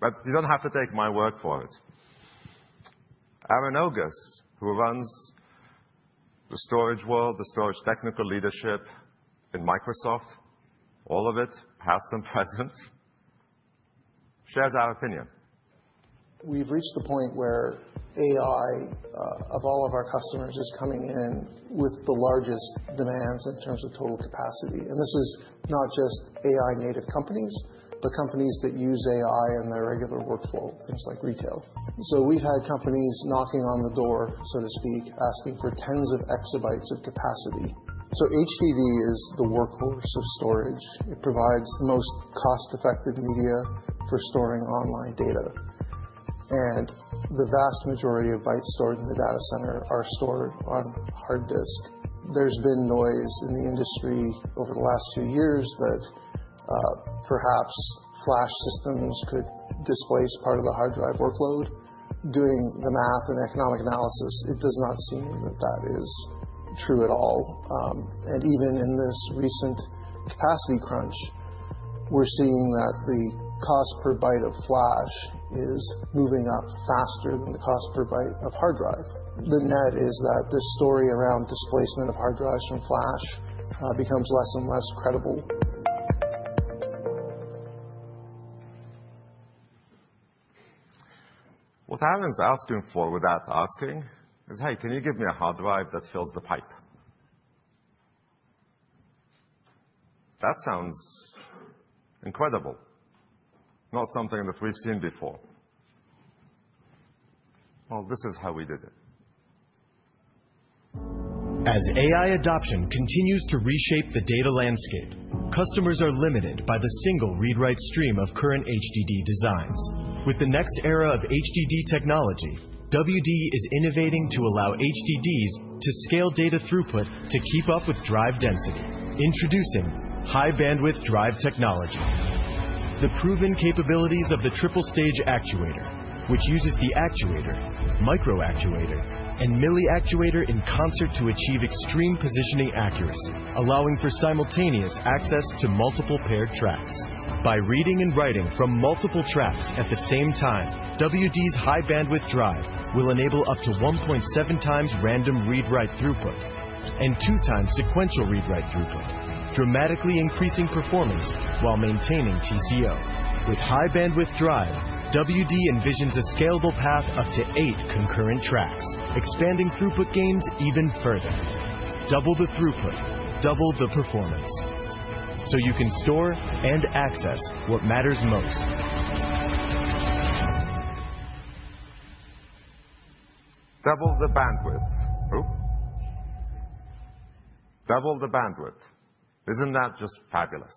But you don't have to take my word for it. Aaron Ogus, who runs the storage world, the storage technical leadership in Microsoft, all of it, past and present, shares our opinion. We've reached the point where AI of all of our customers is coming in with the largest demands in terms of total capacity, and this is not just AI native companies, but companies that use AI in their regular workflow, things like retail. So we've had companies knocking on the door, so to speak, asking for tens of exabytes of capacity. So HDD is the workhorse of storage. It provides the most cost-effective media for storing online data, and the vast majority of bytes stored in the data center are stored on hard disk. There's been noise in the industry over the last few years that perhaps flash systems could displace part of the hard drive workload. Doing the math and economic analysis, it does not seem that that is true at all. Even in this recent capacity crunch, we're seeing that the cost per byte of flash is moving up faster than the cost per byte of hard drive. The net is that this story around displacement of hard drives from flash becomes less and less credible. What Aaron's asking for without asking is, "Hey, can you give me a hard drive that fills the pipe?" That sounds incredible, not something that we've seen before. Well, this is how we did it. As AI adoption continues to reshape the data landscape, customers are limited by the single read-write stream of current HDD designs. With the next era of HDD technology, WD is innovating to allow HDDs to scale data throughput to keep up with drive density. Introducing High-Bandwidth Drive technology. The proven capabilities of the Triple Stage Actuator, which uses the actuator, microactuator, and milliactuator in concert to achieve extreme positioning accuracy, allowing for simultaneous access to multiple paired tracks. By reading and writing from multiple tracks at the same time, WD's High-Bandwidth Drive will enable up to 1.7 times random read-write throughput, and two times sequential read-write throughput, dramatically increasing performance while maintaining TCO. With High-Bandwidth Drive, WD envisions a scalable path up to 8 concurrent tracks, expanding throughput gains even further. Double the throughput, double the performance, so you can store and access what matters most. Double the bandwidth. Oh. Double the bandwidth. Isn't that just fabulous?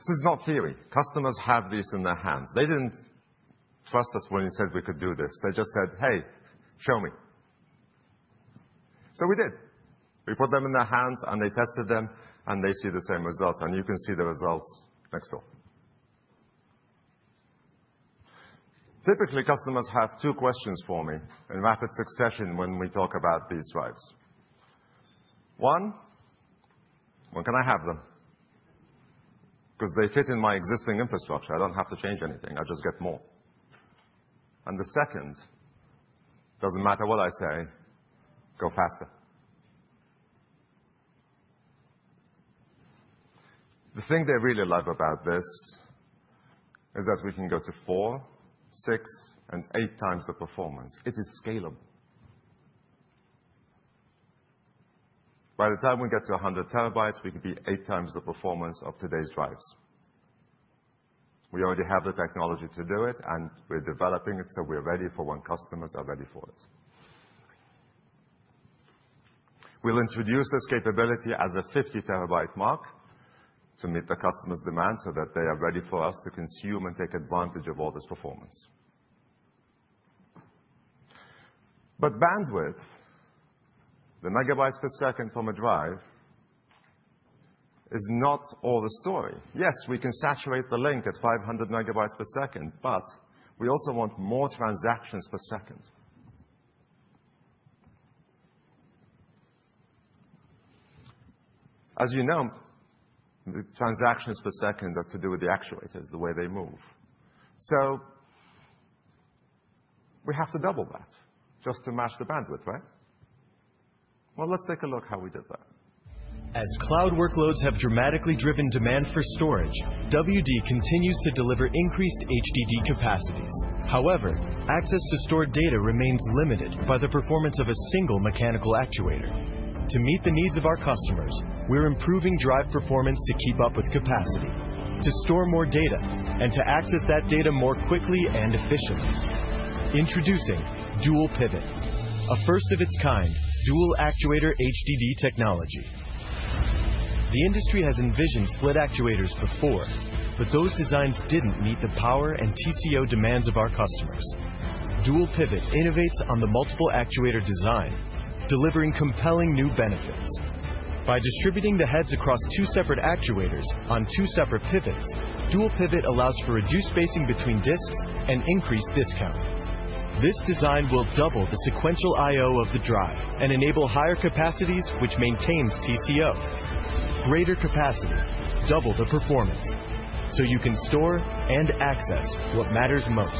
This is not theory. Customers have these in their hands. They didn't trust us when we said we could do this. They just said, "Hey, show me." So we did. We put them in their hands, and they tested them, and they see the same results, and you can see the results next door. Typically, customers have two questions for me in rapid succession when we talk about these drives. One: When can I have them? 'Cause they fit in my existing infrastructure, I don't have to change anything. I just get more. And the second, doesn't matter what I say, "Go faster." The thing they really love about this is that we can go to four, six, and eight times the performance. It is scalable. By the time we get to 100 TB, we could be 8 times the performance of today's drives. We already have the technology to do it, and we're developing it, so we're ready for when customers are ready for it. We'll introduce this capability at the 50-TB mark to meet the customers' demand, so that they are ready for us to consume and take advantage of all this performance. But bandwidth, the MB/s from a drive, is not all the story. Yes, we can saturate the link at 500 MB/s, but we also want more transactions per second. As you know, the transactions per second, that's to do with the actuators, the way they move. So we have to double that just to match the bandwidth, right? Well, let's take a look how we did that. As cloud workloads have dramatically driven demand for storage, WD continues to deliver increased HDD capacities. However, access to stored data remains limited by the performance of a single mechanical actuator. To meet the needs of our customers, we're improving drive performance to keep up with capacity, to store more data, and to access that data more quickly and efficiently. Introducing Dual Pivot, a first of its kind dual actuator HDD technology. The industry has envisioned split actuators before, but those designs didn't meet the power and TCO demands of our customers. Dual Pivot innovates on the multiple actuator design, delivering compelling new benefits. By distributing the heads across two separate actuators on two separate pivots, Dual Pivot allows for reduced spacing between disks and increased density. This design will double the sequential I/O of the drive and enable higher capacities, which maintains TCO. Greater capacity, double the performance, so you can store and access what matters most.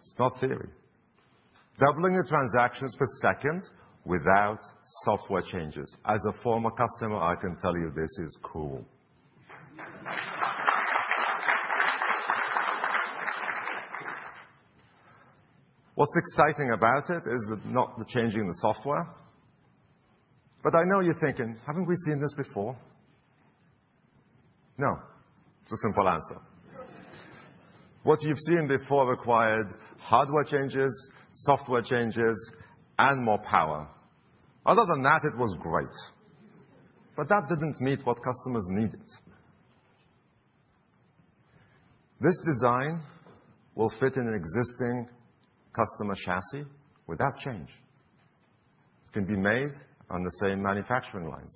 It's not theory. Doubling the transactions per second without software changes. As a former customer, I can tell you this is cool. What's exciting about it is that not changing the software, but I know you're thinking, "Haven't we seen this before?" No. It's a simple answer. What you've seen before required hardware changes, software changes, and more power. Other than that, it was great, but that didn't meet what customers needed. This design will fit in an existing customer chassis without change. It can be made on the same manufacturing lines.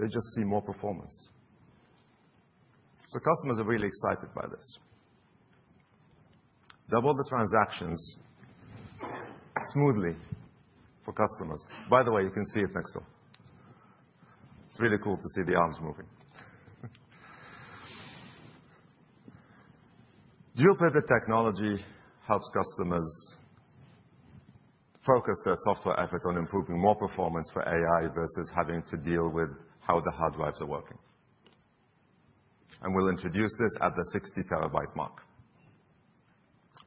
They just see more performance. So customers are really excited by this. Double the transactions smoothly for customers. By the way, you can see it next door. It's really cool to see the arms moving. Dual Pivot technology helps customers focus their software effort on improving more performance for AI versus having to deal with how the hard drives are working. We'll introduce this at the 60 TB mark.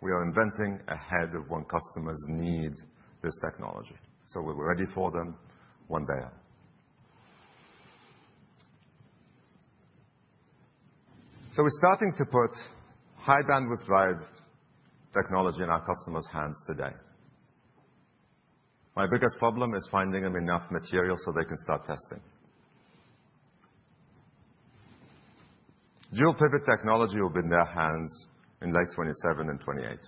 We are inventing ahead of when customers need this technology, so we're ready for them one day. We're starting to put high-bandwidth drive technology in our customers' hands today. My biggest problem is finding them enough material so they can start testing. Dual Pivot technology will be in their hands in late 2027 and 2028.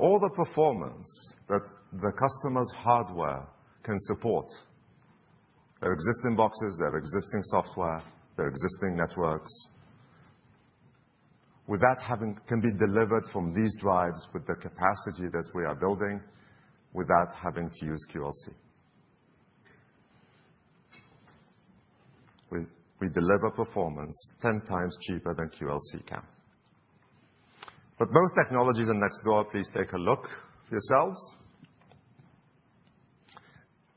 All the performance that the customer's hardware can support, their existing boxes, their existing software, their existing networks, without having—can be delivered from these drives with the capacity that we are building, without having to use QLC. We, we deliver performance 10 times cheaper than QLC can. But both technologies are next door. Please take a look yourselves.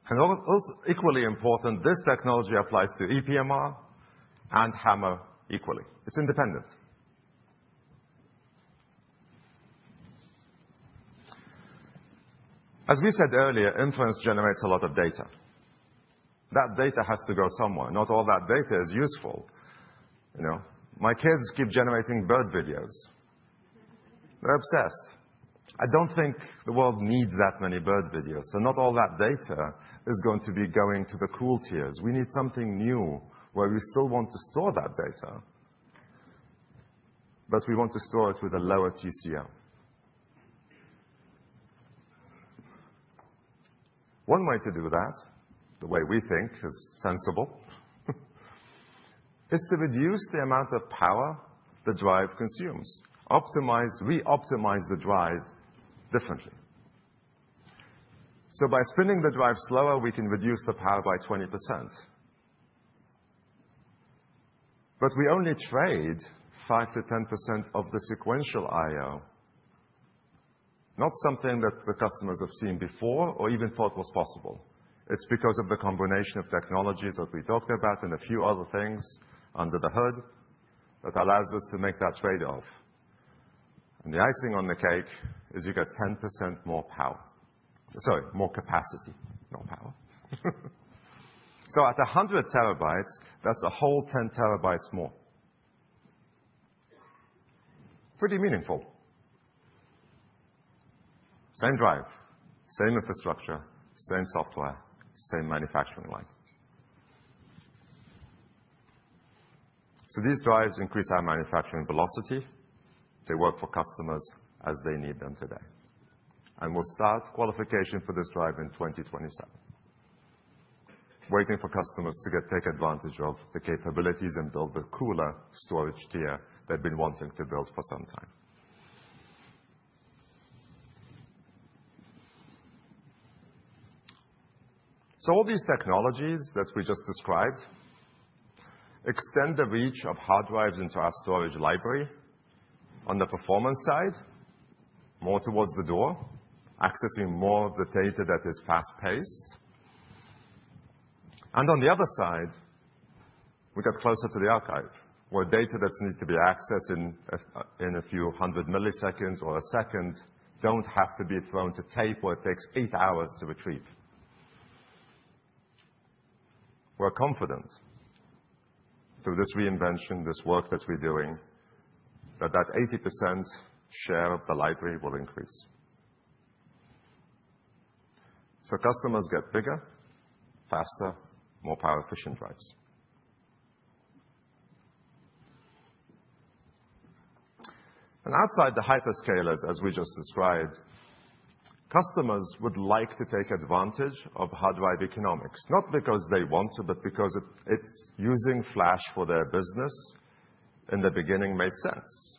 And also equally important, this technology applies to ePMR and HAMR equally. It's independent. As we said earlier, inference generates a lot of data. That data has to go somewhere. Not all that data is useful, you know? My kids keep generating bird videos. They're obsessed. I don't think the world needs that many bird videos, so not all that data is going to be going to the cool tiers. We need something new, where we still want to store that data, but we want to store it with a lower TCO. One way to do that, the way we think is sensible, is to reduce the amount of power the drive consumes. Reoptimize the drive differently. So by spinning the drive slower, we can reduce the power by 20%. But we only trade 5%-10% of the sequential I/O, not something that the customers have seen before or even thought was possible. It's because of the combination of technologies that we talked about and a few other things under the hood, that allows us to make that trade-off. And the icing on the cake is, you get 10% more power. Sorry, more capacity, not power. So at 100 TB, that's a whole 10 TB more. Pretty meaningful. Same drive, same infrastructure, same software, same manufacturing line. So these drives increase our manufacturing velocity. They work for customers as they need them today, and we'll start qualification for this drive in 2027. Waiting for customers to take advantage of the capabilities and build the cooler storage tier they've been wanting to build for some time. So all these technologies that we just described extend the reach of hard drives into our storage library. On the performance side, more towards the door, accessing more of the data that is fast-paced. And on the other side, we get closer to the archive, where data that needs to be accessed in a few hundred milliseconds or a second, don't have to be thrown to tape, or it takes eight hours to retrieve. We're confident through this reinvention, this work that we're doing, that that 80% share of the library will increase. So customers get bigger, faster, more power-efficient drives. And outside the hyperscalers, as we just described, customers would like to take advantage of hard drive economics. Not because they want to, but because it, it's using flash for their business, in the beginning, made sense.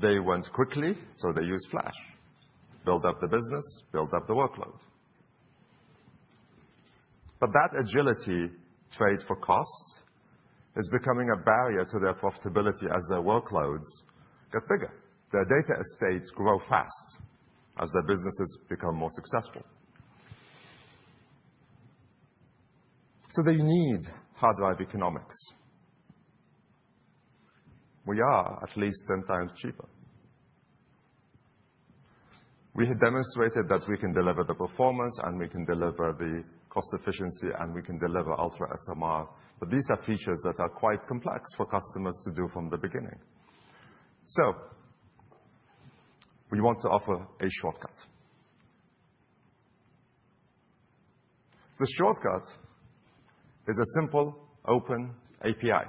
They went quickly, so they used flash. Built up the business, built up the workload. But that agility trade for costs is becoming a barrier to their profitability as their workloads get bigger. Their data estates grow fast as their businesses become more successful. So they need hard drive economics. We are at least 10 times cheaper. We have demonstrated that we can deliver the performance, and we can deliver the cost efficiency, and we can deliver UltraSMR, but these are features that are quite complex for customers to do from the beginning. So we want to offer a shortcut. The shortcut is a simple open API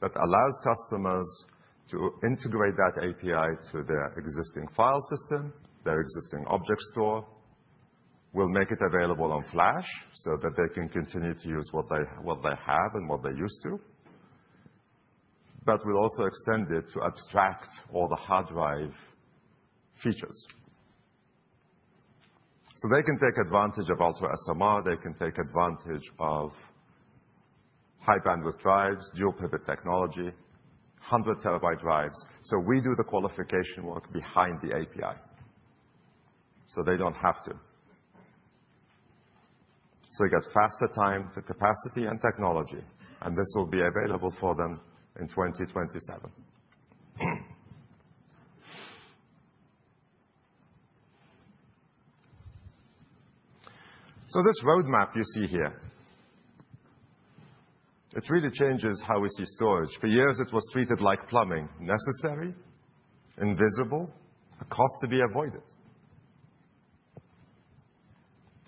that allows customers to integrate that API to their existing file system, their existing object store. We'll make it available on flash, so that they can continue to use what they, what they have and what they're used to. But we'll also extend it to abstract all the hard drive features. So they can take advantage of UltraSMR, they can take advantage of high-bandwidth drives, Dual Pivot technology, 100-terabyte drives. So we do the qualification work behind the API, so they don't have to. So they get faster time to capacity and technology, and this will be available for them in 2027. So this roadmap you see here, it really changes how we see storage. For years, it was treated like plumbing: necessary, invisible, a cost to be avoided.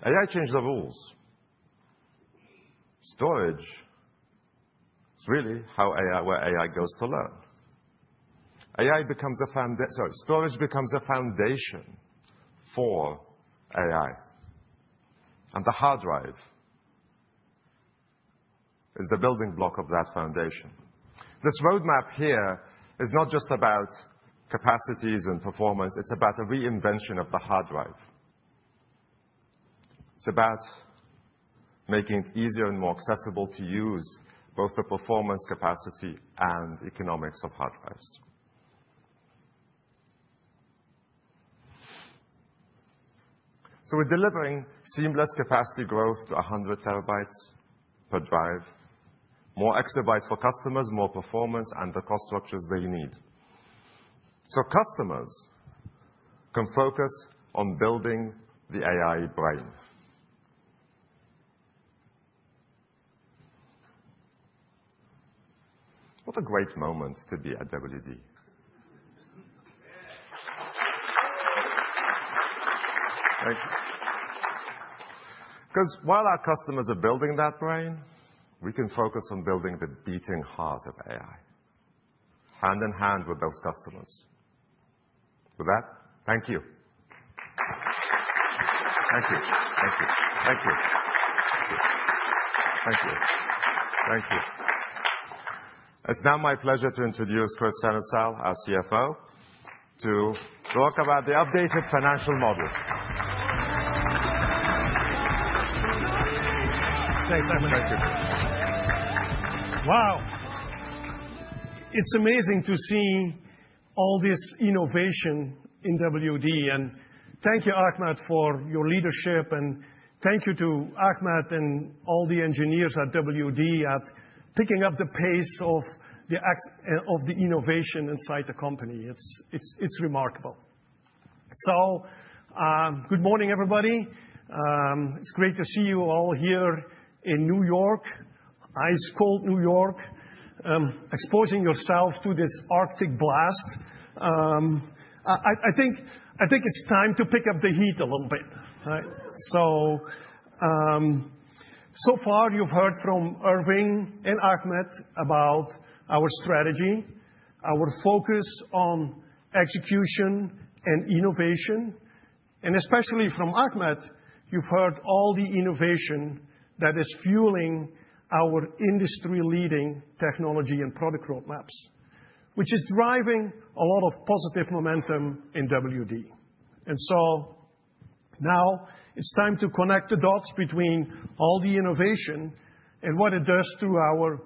AI changed the rules. Storage is really how AI, where AI goes to learn. AI becomes a founda... Sorry, storage becomes a foundation for AI, and the hard drive is the building block of that foundation. This roadmap here is not just about capacities and performance, it's about a reinvention of the hard drive. It's about making it easier and more accessible to use both the performance, capacity, and economics of hard drives. So we're delivering seamless capacity growth to 100 terabytes per drive, more exabytes for customers, more performance, and the cost structures they need. So customers can focus on building the AI brain. What a great moment to be at WD. Thank you. 'Cause while our customers are building that brain, we can focus on building the beating heart of AI, hand in hand with those customers. With that, thank you. Thank you, thank you, thank you. Thank you, thank you. It's now my pleasure to introduce Kris Sennesael, our CFO, to talk about the updated financial model. Thanks, Ahmed. Thank you. Wow! It's amazing to see all this innovation in WD. And thank you, Ahmed, for your leadership, and thank you to Ahmed and all the engineers at WD for picking up the pace of the innovation inside the company. It's remarkable. So, good morning, everybody. It's great to see you all here in New York. Ice-cold New York, exposing yourself to this Arctic blast. I think it's time to pick up the heat a little bit, right? So, so far you've heard from Irving and Ahmed about our strategy, our focus on execution and innovation. And especially from Ahmed, you've heard all the innovation that is fueling our industry-leading technology and product road maps, which is driving a lot of positive momentum in WD. And so now it's time to connect the dots between all the innovation and what it does to our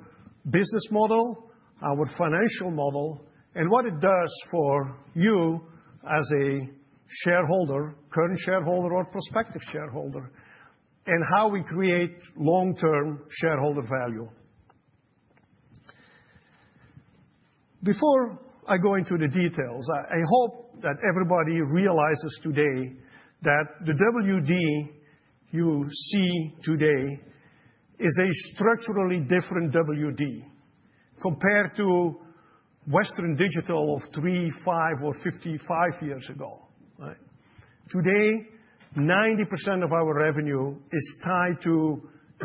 business model, our financial model, and what it does for you as a shareholder, current shareholder or prospective shareholder, and how we create long-term shareholder value. Before I go into the details, I, I hope that everybody realizes today that the WD you see today is a structurally different WD compared to Western Digital of three, five, or 55 years ago, right? Today, 90% of our revenue is tied to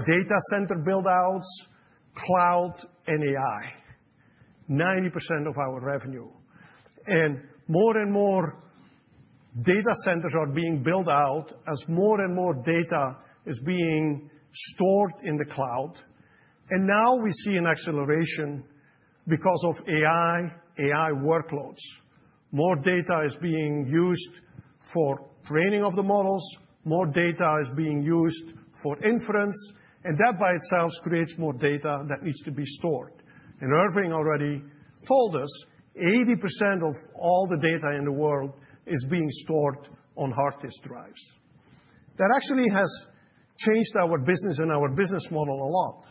data center build-outs, cloud, and AI. 90% of our revenue. And more and more data centers are being built out as more and more data is being stored in the cloud. And now we see an acceleration because of AI, AI workloads. More data is being used for training of the models, more data is being used for inference, and that by itself creates more data that needs to be stored. And Irving already told us, 80% of all the data in the world is being stored on hard disk drives. That actually has changed our business and our business model a lot,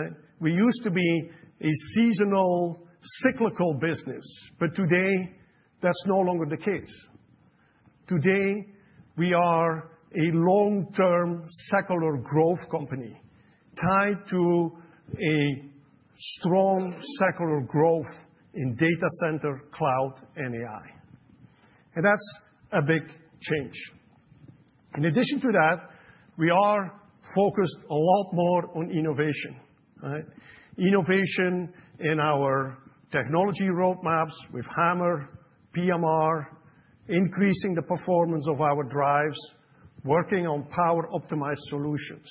right? We used to be a seasonal, cyclical business, but today that's no longer the case. Today, we are a long-term secular growth company tied to a strong secular growth in data center, cloud, and AI, and that's a big change. In addition to that, we are focused a lot more on innovation, right? Innovation in our technology road maps with HAMR, PMR, increasing the performance of our drives, working on power-optimized solutions.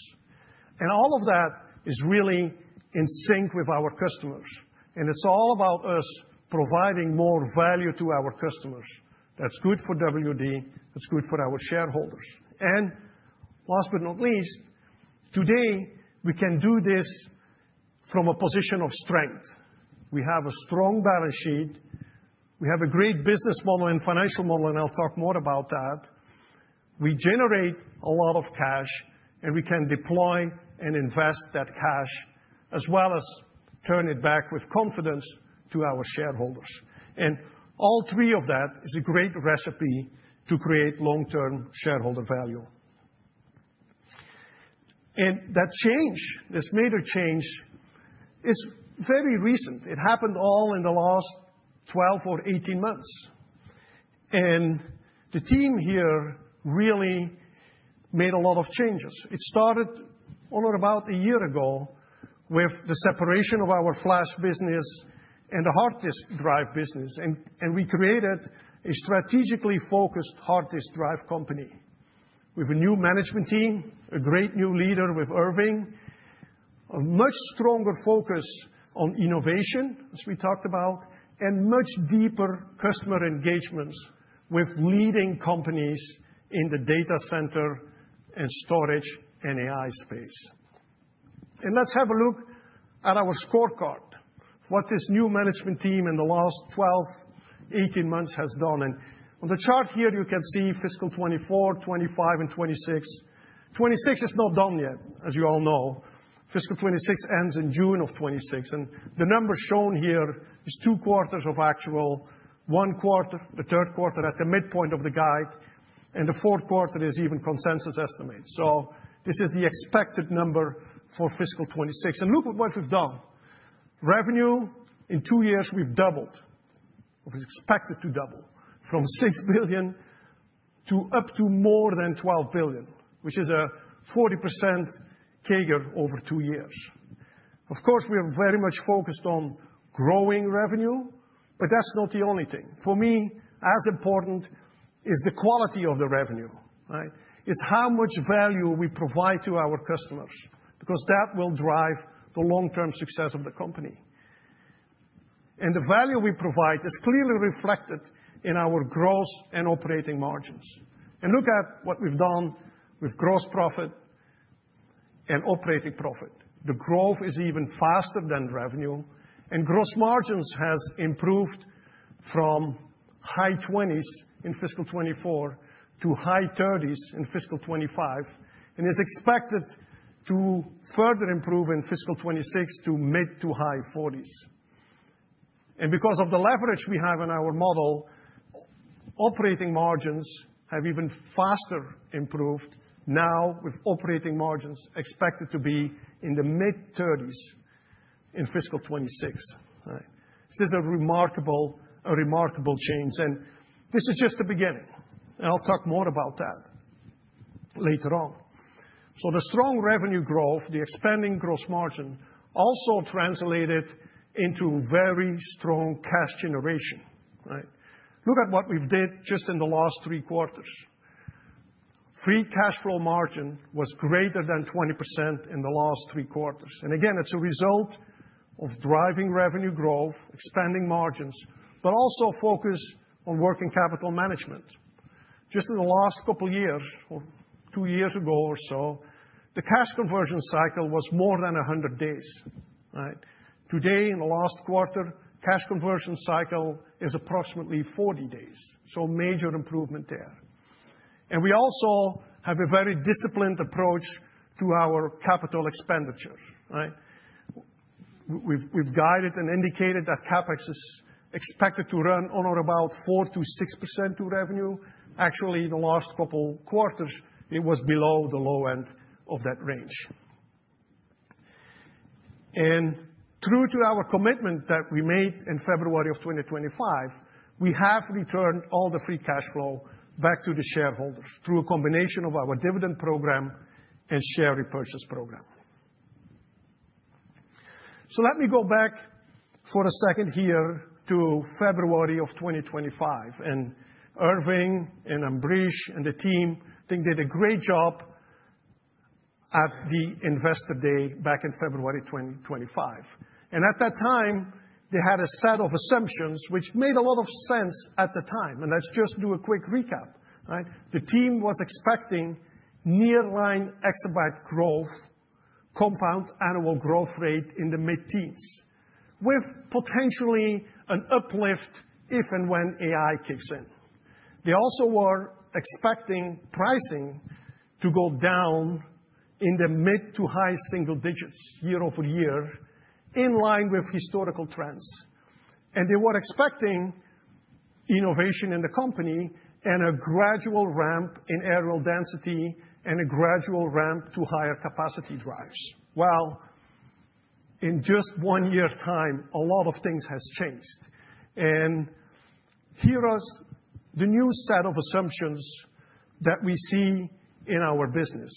All of that is really in sync with our customers, and it's all about us providing more value to our customers. That's good for WD, it's good for our shareholders. Last but not least, today we can do this from a position of strength. We have a strong balance sheet. We have a great business model and financial model, and I'll talk more about that. We generate a lot of cash, and we can deploy and invest that cash, as well as return it back with confidence to our shareholders. All three of that is a great recipe to create long-term shareholder value. That change, this major change, is very recent. It happened all in the last 12 or 18 months, and the team here really made a lot of changes. It started all about a year ago with the separation of our flash business and the hard disk drive business. And, and we created a strategically focused hard disk drive company with a new management team, a great new leader with Irving, a much stronger focus on innovation, as we talked about, and much deeper customer engagements with leading companies in the data center and storage and AI space. And let's have a look at our scorecard, what this new management team in the last 12, 18 months has done. And on the chart here, you can see fiscal 2024, 2025, and 2026. 2026 is not done yet, as you all know. Fiscal 2026 ends in June of 2026, and the numbers shown here is two quarters of actual, one quarter, the third quarter, at the midpoint of the guide, and the fourth quarter is even consensus estimates. So this is the expected number for fiscal 2026. And look at what we've done. Revenue, in two years we've doubled, or we're expected to double, from $6 billion to up to more than $12 billion, which is a 40% CAGR over two years. Of course, we are very much focused on growing revenue, but that's not the only thing. For me, as important is the quality of the revenue, right? It's how much value we provide to our customers, because that will drive the long-term success of the company. And the value we provide is clearly reflected in our gross and operating margins. And look at what we've done with gross profit and operating profit. The growth is even faster than revenue, and gross margins has improved from high 20s in fiscal 2024 to high 30s in fiscal 2025, and is expected to further improve in fiscal 2026 to mid- to high 40s. And because of the leverage we have in our model, operating margins have even faster improved, now with operating margins expected to be in the mid-30s in fiscal 2026, right? This is a remarkable, a remarkable change, and this is just the beginning. And I'll talk more about that later on. So the strong revenue growth, the expanding gross margin, also translated into very strong cash generation, right? Look at what we've did just in the last three quarters. Free cash flow margin was greater than 20% in the last three quarters, and again, it's a result of driving revenue growth, expanding margins, but also focus on working capital management. Just in the last couple of years, or two years ago or so, the cash conversion cycle was more than 100 days, right? Today, in the last quarter, cash conversion cycle is approximately 40 days, so major improvement there. And we also have a very disciplined approach to our capital expenditures, right? We've guided and indicated that CapEx is expected to run on or about 4%-6% to revenue. Actually, in the last couple quarters, it was below the low end of that range. And true to our commitment that we made in February 2025, we have returned all the free cash flow back to the shareholders through a combination of our dividend program and share repurchase program. So let me go back for a second here to February of 2025, and Irving and Ambrish and the team, I think, did a great job at the Investor Day back in February 2025. And at that time, they had a set of assumptions which made a lot of sense at the time, and let's just do a quick recap, right? The team was expecting nearline exabyte growth, compound annual growth rate in the mid-teens, with potentially an uplift if and when AI kicks in. They also were expecting pricing to go down in the mid- to high-single digits year-over-year, in line with historical trends. And they were expecting innovation in the company and a gradual ramp in areal density and a gradual ramp to higher capacity drives. Well, in just one year time, a lot of things has changed, and here is the new set of assumptions that we see in our business.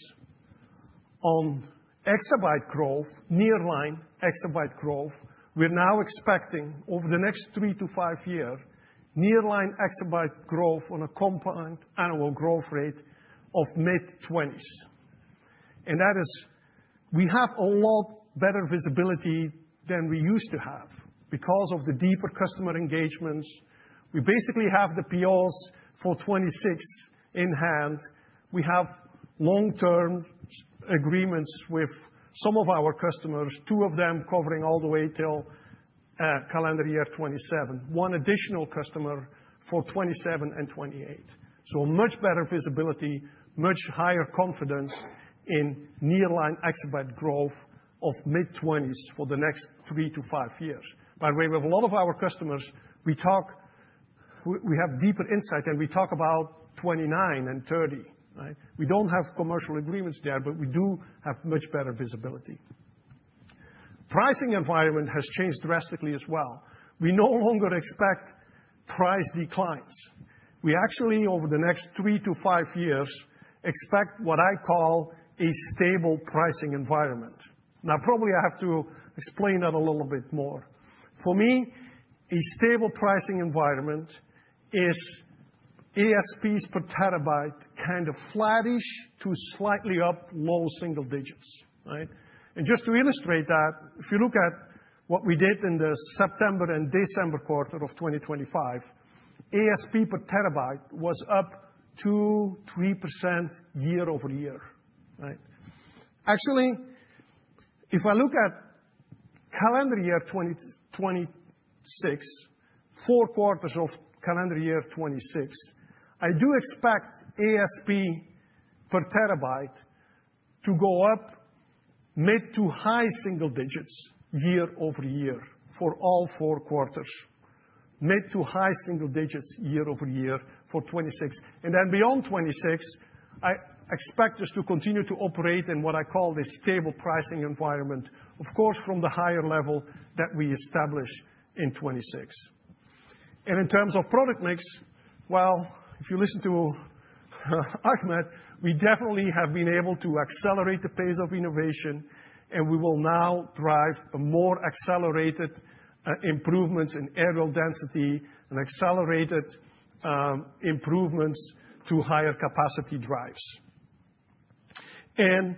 On exabyte growth, nearline exabyte growth, we're now expecting over the next three to five year, nearline exabyte growth on a compound annual growth rate of mid-20s. And that is... We have a lot better visibility than we used to have because of the deeper customer engagements. We basically have the POs for '26 in hand. We have long-term agreements with some of our customers, two of them covering all the way till, calendar year 2027. 1 additional customer for 2027 and 2028. So much better visibility, much higher confidence in nearline exabyte growth of mid-20s for the next three to five years. By the way, with a lot of our customers, we talk we have deeper insight, and we talk about 2029 and 2030, right? We don't have commercial agreements there, but we do have much better visibility. Pricing environment has changed drastically as well. We no longer expect price declines. We actually, over the next three to five years, expect what I call a stable pricing environment. Now, probably I have to explain that a little bit more. For me, a stable pricing environment is ASPs per terabyte, kind of flattish to slightly up, low single digits, right? And just to illustrate that, if you look at what we did in the September and December quarter of 2025, ASP per terabyte was up 2%-3% year-over-year, right? Actually-... If I look at calendar year 2026, four quarters of calendar year 2026, I do expect ASP per terabyte to go up mid- to high-single digits year-over-year for all four quarters. Mid- to high-single digits year-over-year for 2026. And then beyond 2026, I expect us to continue to operate in what I call the stable pricing environment, of course, from the higher level that we establish in 2026. And in terms of product mix, well, if you listen to Ahmed, we definitely have been able to accelerate the pace of innovation, and we will now drive a more accelerated improvements in areal density and accelerated improvements to higher capacity drives. And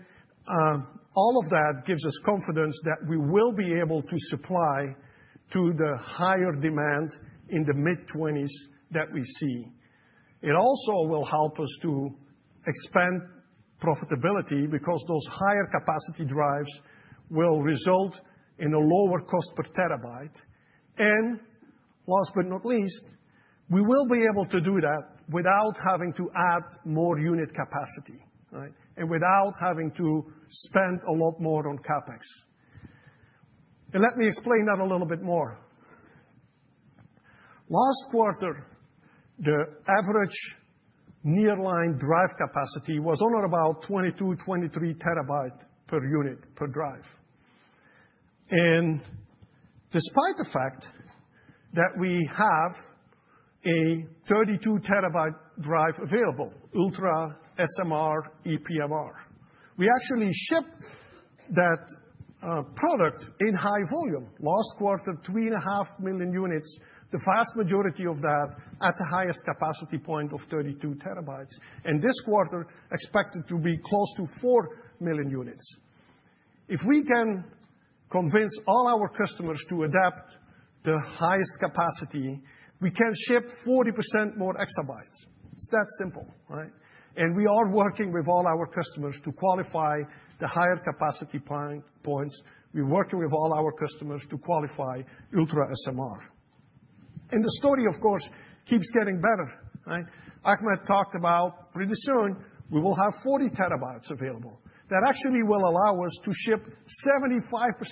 all of that gives us confidence that we will be able to supply to the higher demand in the mid-2020s that we see. It also will help us to expand profitability because those higher capacity drives will result in a lower cost per TB. Last but not least, we will be able to do that without having to add more unit capacity, right? Without having to spend a lot more on CapEx. Let me explain that a little bit more. Last quarter, the average nearline drive capacity was only about 22-23 TB per unit, per drive. Despite the fact that we have a 32 TB drive available, UltraSMR ePMR, we actually shipped that product in high volume. Last quarter, 3.5 million units, the vast majority of that at the highest capacity point of 32 TB, and this quarter expected to be close to 4 million units. If we can convince all our customers to adapt the highest capacity, we can ship 40% more exabytes. It's that simple, right? We are working with all our customers to qualify the higher capacity points. We're working with all our customers to qualify ultra SMR. The story, of course, keeps getting better, right? Ahmed talked about pretty soon we will have 40 TB available. That actually will allow us to ship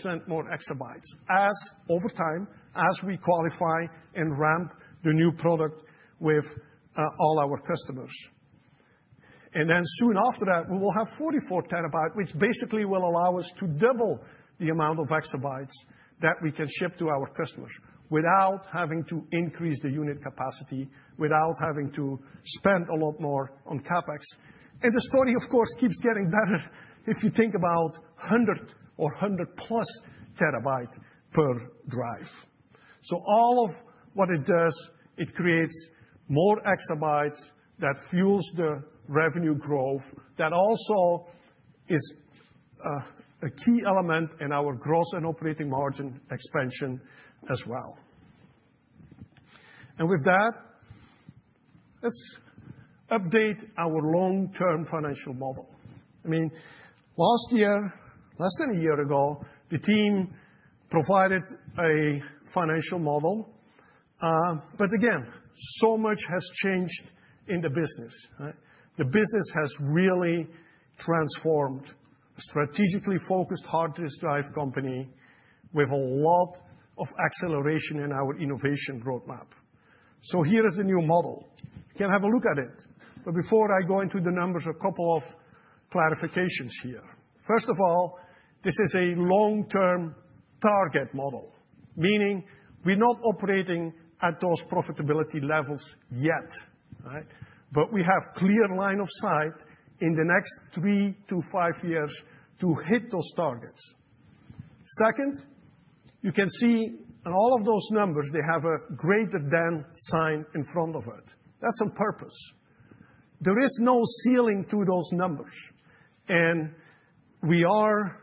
75% more exabytes as, over time, as we qualify and ramp the new product with all our customers. Then soon after that, we will have 44 TB, which basically will allow us to double the amount of exabytes that we can ship to our customers without having to increase the unit capacity, without having to spend a lot more on CapEx. The story, of course, keeps getting better if you think about 100 or 100-plus TB per drive. So all of what it does, it creates more exabytes that fuels the revenue growth. That also is, a key element in our gross and operating margin expansion as well. And with that, let's update our long-term financial model. I mean, last year, less than a year ago, the team provided a financial model. But again, so much has changed in the business, right? The business has really transformed. Strategically focused, hard disk drive company with a lot of acceleration in our innovation growth map. So here is the new model. You can have a look at it, but before I go into the numbers, a couple of clarifications here. First of all, this is a long-term target model, meaning we're not operating at those profitability levels yet, right? But we have clear line of sight in the next three to five years to hit those targets. Second, you can see in all of those numbers, they have a greater than sign in front of it. That's on purpose. There is no ceiling to those numbers, and we are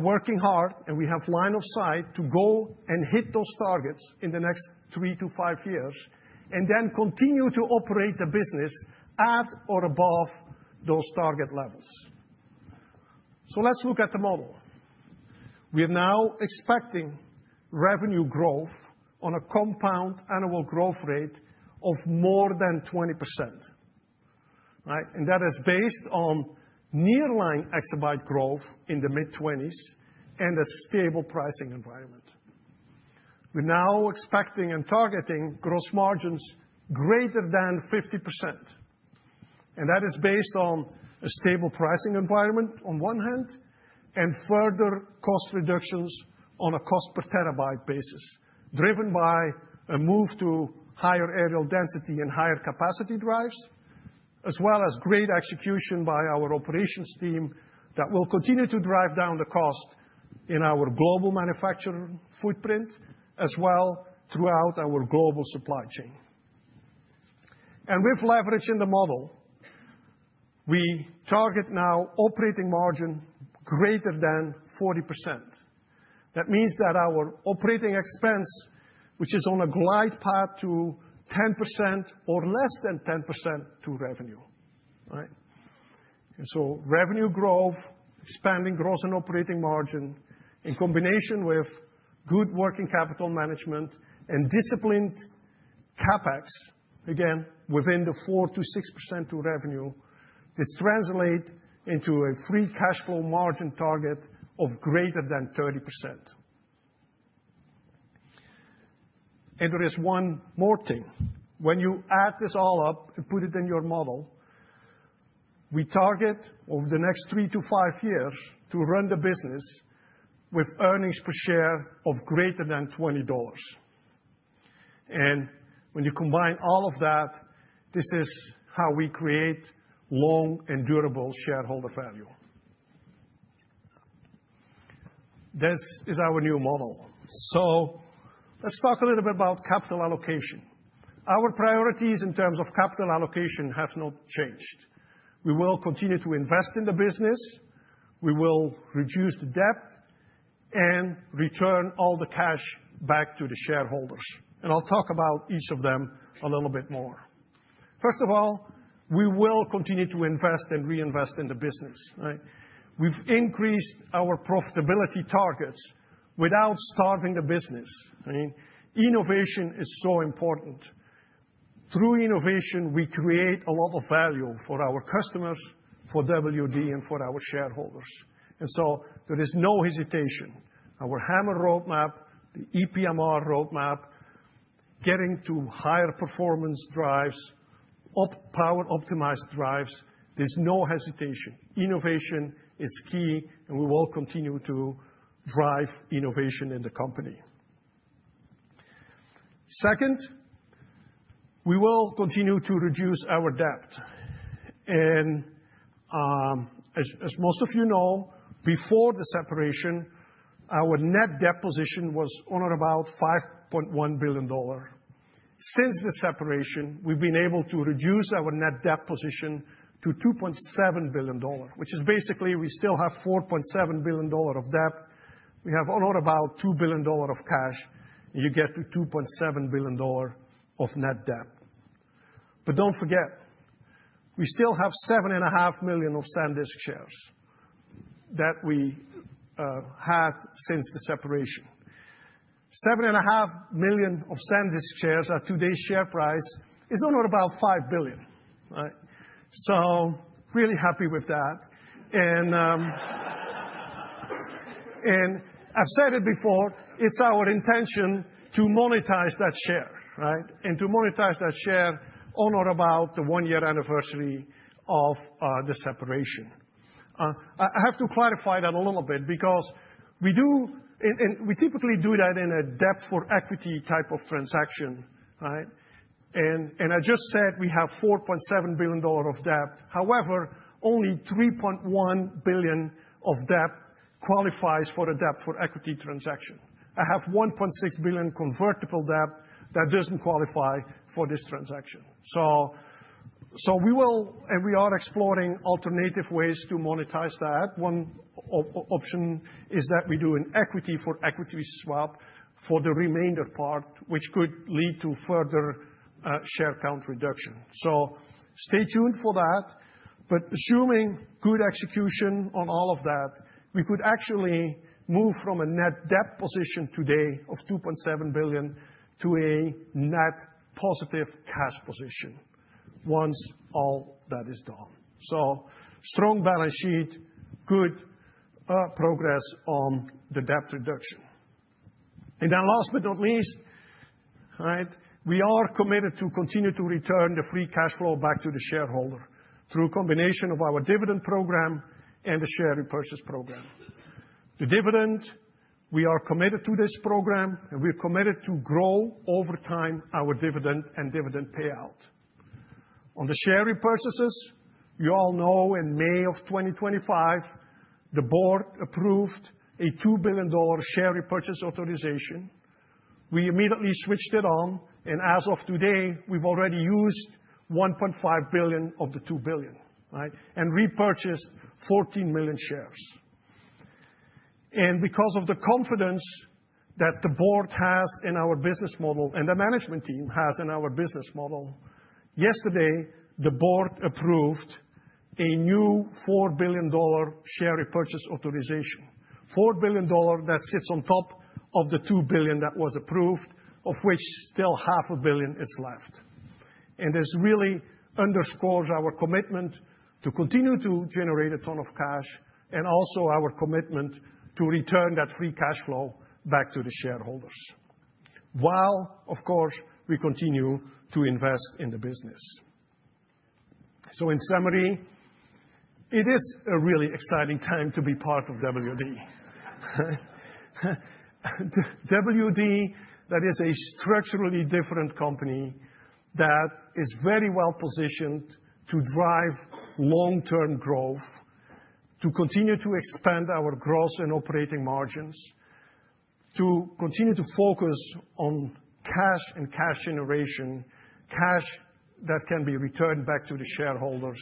working hard, and we have line of sight to go and hit those targets in the next three to five years, and then continue to operate the business at or above those target levels. So let's look at the model. We are now expecting revenue growth on a compound annual growth rate of more than 20%, right? And that is based on nearline exabyte growth in the mid-20s and a stable pricing environment. We're now expecting and targeting gross margins greater than 50%, and that is based on a stable pricing environment on one hand, and further cost reductions on a cost per terabyte basis, driven by a move to higher areal density and higher capacity drives, as well as great execution by our operations team that will continue to drive down the cost in our global manufacturing footprint, as well throughout our global supply chain. And with leverage in the model, we target now operating margin greater than 40%. That means that our operating expense, which is on a glide path to 10% or less than 10% to revenue, right? And so revenue growth, expanding gross and operating margin, in combination with good working capital management and disciplined CapEx, again, within the 4%-6% to revenue, this translate into a free cash flow margin target of greater than 30%. And there is one more thing. When you add this all up and put it in your model, we target, over the next three to five years, to run the business with earnings per share of greater than $20. And when you combine all of that, this is how we create long and durable shareholder value. This is our new model. So let's talk a little bit about capital allocation. Our priorities in terms of capital allocation have not changed. We will continue to invest in the business, we will reduce the debt, and return all the cash back to the shareholders. I'll talk about each of them a little bit more. First of all, we will continue to invest and reinvest in the business, right? We've increased our profitability targets without starving the business, right? Innovation is so important. Through innovation, we create a lot of value for our customers, for WD, and for our shareholders, and so there is no hesitation. Our HAMR roadmap, the ePMR roadmap, getting to higher performance drives, power-optimized drives, there's no hesitation. Innovation is key, and we will continue to drive innovation in the company. Second, we will continue to reduce our debt. And, as most of you know, before the separation, our net debt position was around about $5.1 billion. Since the separation, we've been able to reduce our net debt position to $2.7 billion dollars, which is basically we still have $4.7 billion dollars of debt. We have all about $2 billion dollars of cash, and you get to $2.7 billion dollars of net debt. But don't forget, we still have 7.5 million SanDisk shares that we had since the separation. 7.5 million SanDisk shares at today's share price is around about $5 billion, right? So really happy with that. And I've said it before, it's our intention to monetize that share, right? And to monetize that share on or about the one year anniversary of the separation. I have to clarify that a little bit because we do... We typically do that in a debt for equity type of transaction, right? I just said we have $4.7 billion of debt. However, only $3.1 billion of debt qualifies for a debt for equity transaction. I have $1.6 billion convertible debt that doesn't qualify for this transaction. So we will, and we are exploring alternative ways to monetize that. One option is that we do an equity for equity swap for the remainder part, which could lead to further share count reduction. So stay tuned for that. But assuming good execution on all of that, we could actually move from a net debt position today of $2.7 billion to a net positive cash position once all that is done. So strong balance sheet, good progress on the debt reduction. Last but not least, right, we are committed to continue to return the free cash flow back to the shareholder through a combination of our dividend program and the share repurchase program. The dividend, we are committed to this program, and we're committed to grow over time our dividend and dividend payout. On the share repurchases, you all know in May of 2025, the board approved a $2 billion share repurchase authorization. We immediately switched it on, and as of today, we've already used $1.5 billion of the $2 billion, right, and repurchased 14 million shares. Because of the confidence that the board has in our business model and the management team has in our business model, yesterday, the board approved a new $4 billion share repurchase authorization. $4 billion that sits on top of the $2 billion that was approved, of which still $500 million is left. This really underscores our commitment to continue to generate a ton of cash and also our commitment to return that free cash flow back to the shareholders, while, of course, we continue to invest in the business. In summary, it is a really exciting time to be part of WD. WD, that is a structurally different company that is very well positioned to drive long-term growth, to continue to expand our gross and operating margins... to continue to focus on cash and cash generation, cash that can be returned back to the shareholders,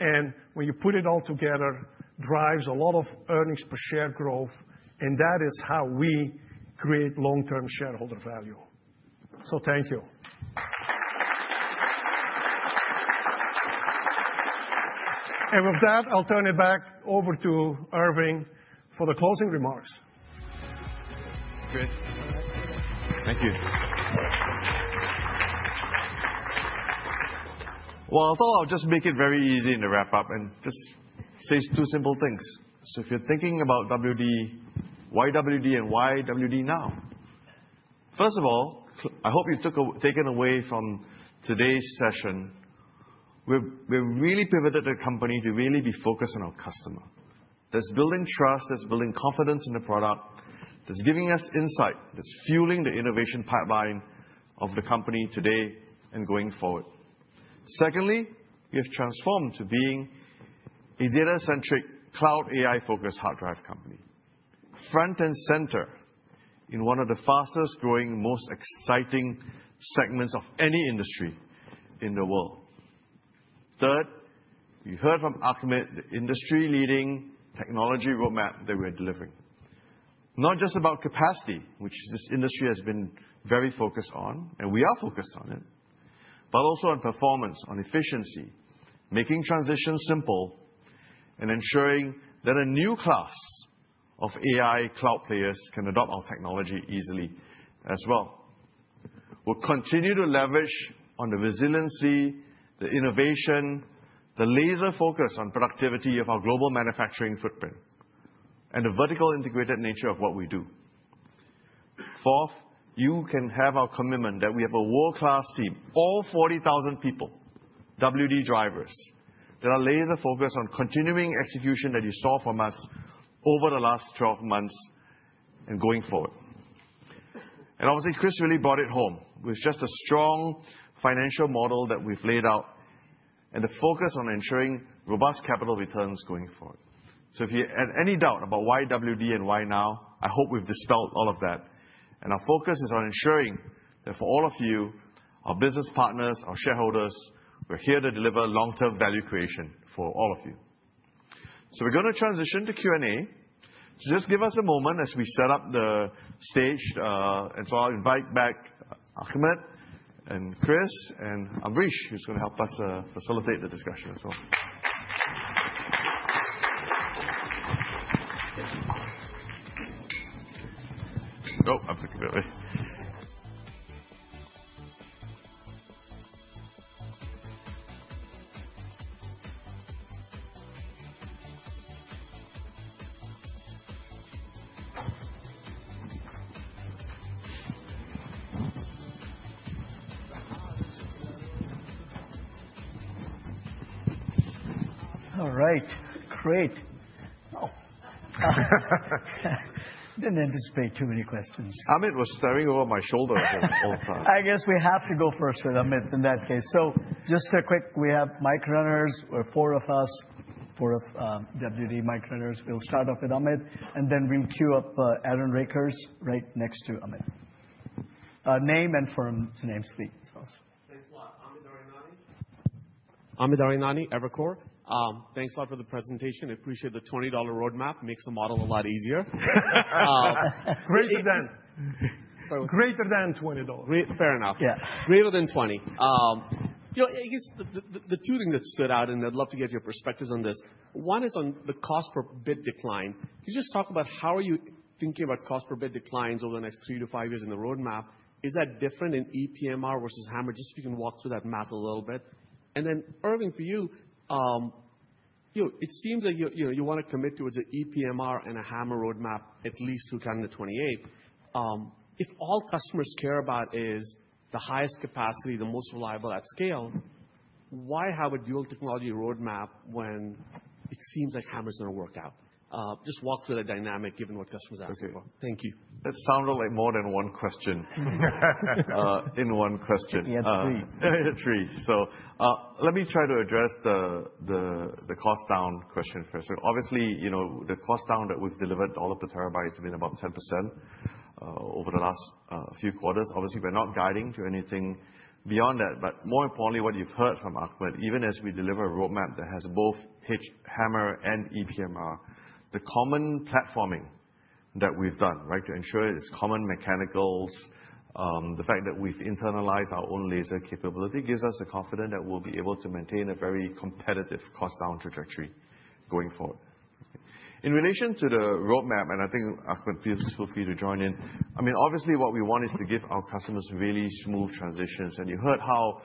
and when you put it all together, drives a lot of earnings per share growth, and that is how we create long-term shareholder value. Thank you. With that, I'll turn it back over to Irving for the closing remarks. Great. Thank you. Well, I thought I'll just make it very easy in the wrap up, and just say two simple things. So if you're thinking about WD, why WD and why WD now? First of all, I hope you've taken away from today's session, we've really pivoted the company to really be focused on our customer. That's building trust, that's building confidence in the product, that's giving us insight, that's fueling the innovation pipeline of the company today and going forward. Secondly, we have transformed to being a data-centric, cloud AI-focused hard drive company, front and center in one of the fastest growing, most exciting segments of any industry in the world. Third, you heard from Ahmed, the industry-leading technology roadmap that we are delivering. Not just about capacity, which this industry has been very focused on, and we are focused on it, but also on performance, on efficiency, making transitions simple, and ensuring that a new class of AI cloud players can adopt our technology easily as well. We'll continue to leverage on the resiliency, the innovation, the laser focus on productivity of our global manufacturing footprint, and the vertically integrated nature of what we do. Fourth, you can have our commitment that we have a world-class team, all 40,000 people, WD drivers, that are laser focused on continuing execution that you saw from us over the last 12 months and going forward. And obviously, Kris really brought it home with just a strong financial model that we've laid out, and a focus on ensuring robust capital returns going forward. So if you had any doubt about why WD and why now, I hope we've dispelled all of that. Our focus is on ensuring that for all of you, our business partners, our shareholders, we're here to deliver long-term value creation for all of you. We're going to transition to Q&A. Just give us a moment as we set up the stage, and so I'll invite back Ahmed and Kris and Ambrish, who's going to help us facilitate the discussion, as well. Oh, I've took it that way. All right, great. Oh, didn't anticipate too many questions. Amit was staring over my shoulder the whole time. I guess we have to go first with Amit in that case. So just a quick, we have mic runners or four of us, four of, WD mic runners. We'll start off with Amit, and then we'll queue up, Aaron Rakers right next to Amit. Name and firm, to name speak so. Thanks a lot. Amit Daryanani. Amit Daryanani, Evercore. Thanks a lot for the presentation. I appreciate the $20 roadmap. Makes the model a lot easier. Greater than- So- Greater than $20. Great. Fair enough. Yeah. Greater than $20. You know, I guess the two thing that stood out, and I'd love to get your perspectives on this, one is on the cost per bit decline. Can you just talk about how are you thinking about cost per bit declines over the next three to five years in the roadmap? Is that different in ePMR versus HAMR? Just if you can walk through that math a little bit. And then Irving, for you, you know, it seems that you, you know, you want to commit towards an ePMR and a HAMR roadmap at least through 2028. If all customers care about is the highest capacity, the most reliable at scale, why have a dual technology roadmap when it seems like HAMR's going to work out? Just walk through that dynamic, given what customers ask for. Thank you. That sounded like more than one question in one question. He asked three. Three. So, let me try to address the cost down question first. Obviously, you know, the cost down that we've delivered all of the terabytes has been about 10%, over the last few quarters. Obviously, we're not guiding to anything beyond that. But more importantly, what you've heard from Ahmed, even as we deliver a roadmap that has both HAMR and ePMR, the common platforming that we've done, right? To ensure it's common mechanicals, the fact that we've internalized our own laser capability, gives us the confidence that we'll be able to maintain a very competitive cost down trajectory going forward. In relation to the roadmap, and I think, Ahmed, feel free to join in, I mean, obviously what we want is to give our customers really smooth transitions. You heard how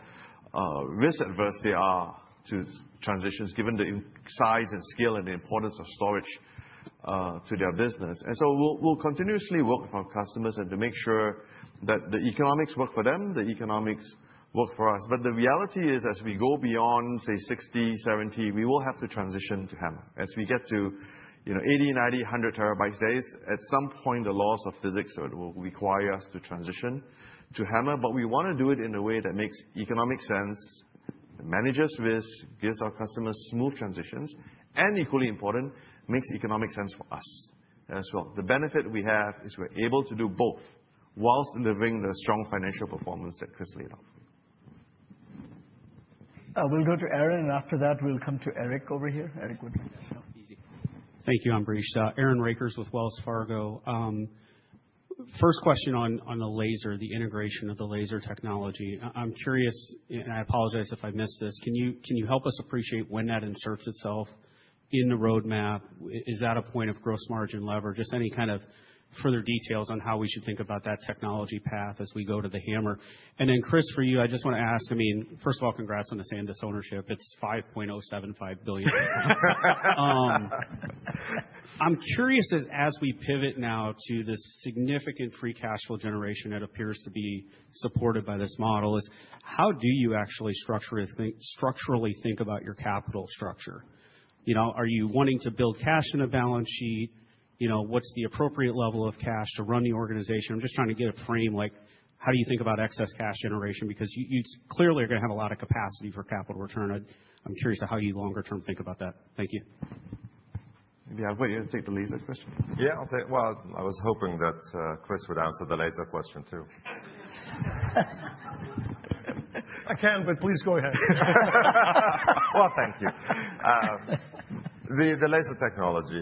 risk averse they are to transitions, given the immense size and scale and the importance of storage to their business. So we'll continuously work with our customers to make sure that the economics work for them, the economics work for us. But the reality is, as we go beyond, say, 60, 70, we will have to transition to HAMR. As we get to, you know, 80 TB, 90 TB, 100 TB days, at some point, the laws of physics will require us to transition to HAMR, but we want to do it in a way that makes economic sense, manages risk, gives our customers smooth transitions, and equally important, makes economic sense for us as well. The benefit we have is we're able to do both, while delivering the strong financial performance that Kris laid out. We'll go to Aaron, and after that, we'll come to Erik over here. Erik, good. Thank you, Ambrish. Aaron Rakers with Wells Fargo. First question on the laser, the integration of the laser technology. I'm curious, and I apologize if I missed this, can you help us appreciate when that inserts itself in the roadmap? Is that a point of gross margin lever? Just any kind of further details on how we should think about that technology path as we go to the HAMR. And then, Kris, for you, I just want to ask, I mean, first of all, congrats on the SanDisk ownership. It's $5.075 billion. I'm curious as we pivot now to this significant free cash flow generation that appears to be supported by this model, is how do you actually structure it structurally think about your capital structure? You know, are you wanting to build cash in a balance sheet? You know, what's the appropriate level of cash to run the organization? I'm just trying to get a frame, like, how do you think about excess cash generation? Because you, you clearly are going to have a lot of capacity for capital return. I'm curious to how you longer term think about that. Thank you. Yeah, want you to take the laser question? Yeah, I'll take... Well, I was hoping that Kris would answer the laser question, too. I can, but please go ahead. Well, thank you. The laser technology,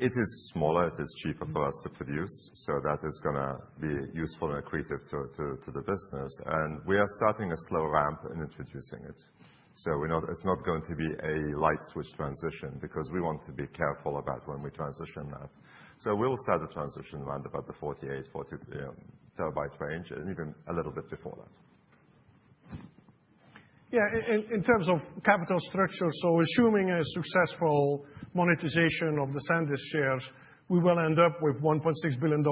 it is smaller, it is cheaper for us to produce, so that is gonna be useful and accretive to the business, and we are starting a slow ramp in introducing it. So we're not—it's not going to be a light switch transition, because we want to be careful about when we transition that. So we'll start the transition around about the 48 TB, 40 TB range, and even a little bit before that. Yeah, in terms of capital structure, so assuming a successful monetization of the SanDisk shares, we will end up with $1.6 billion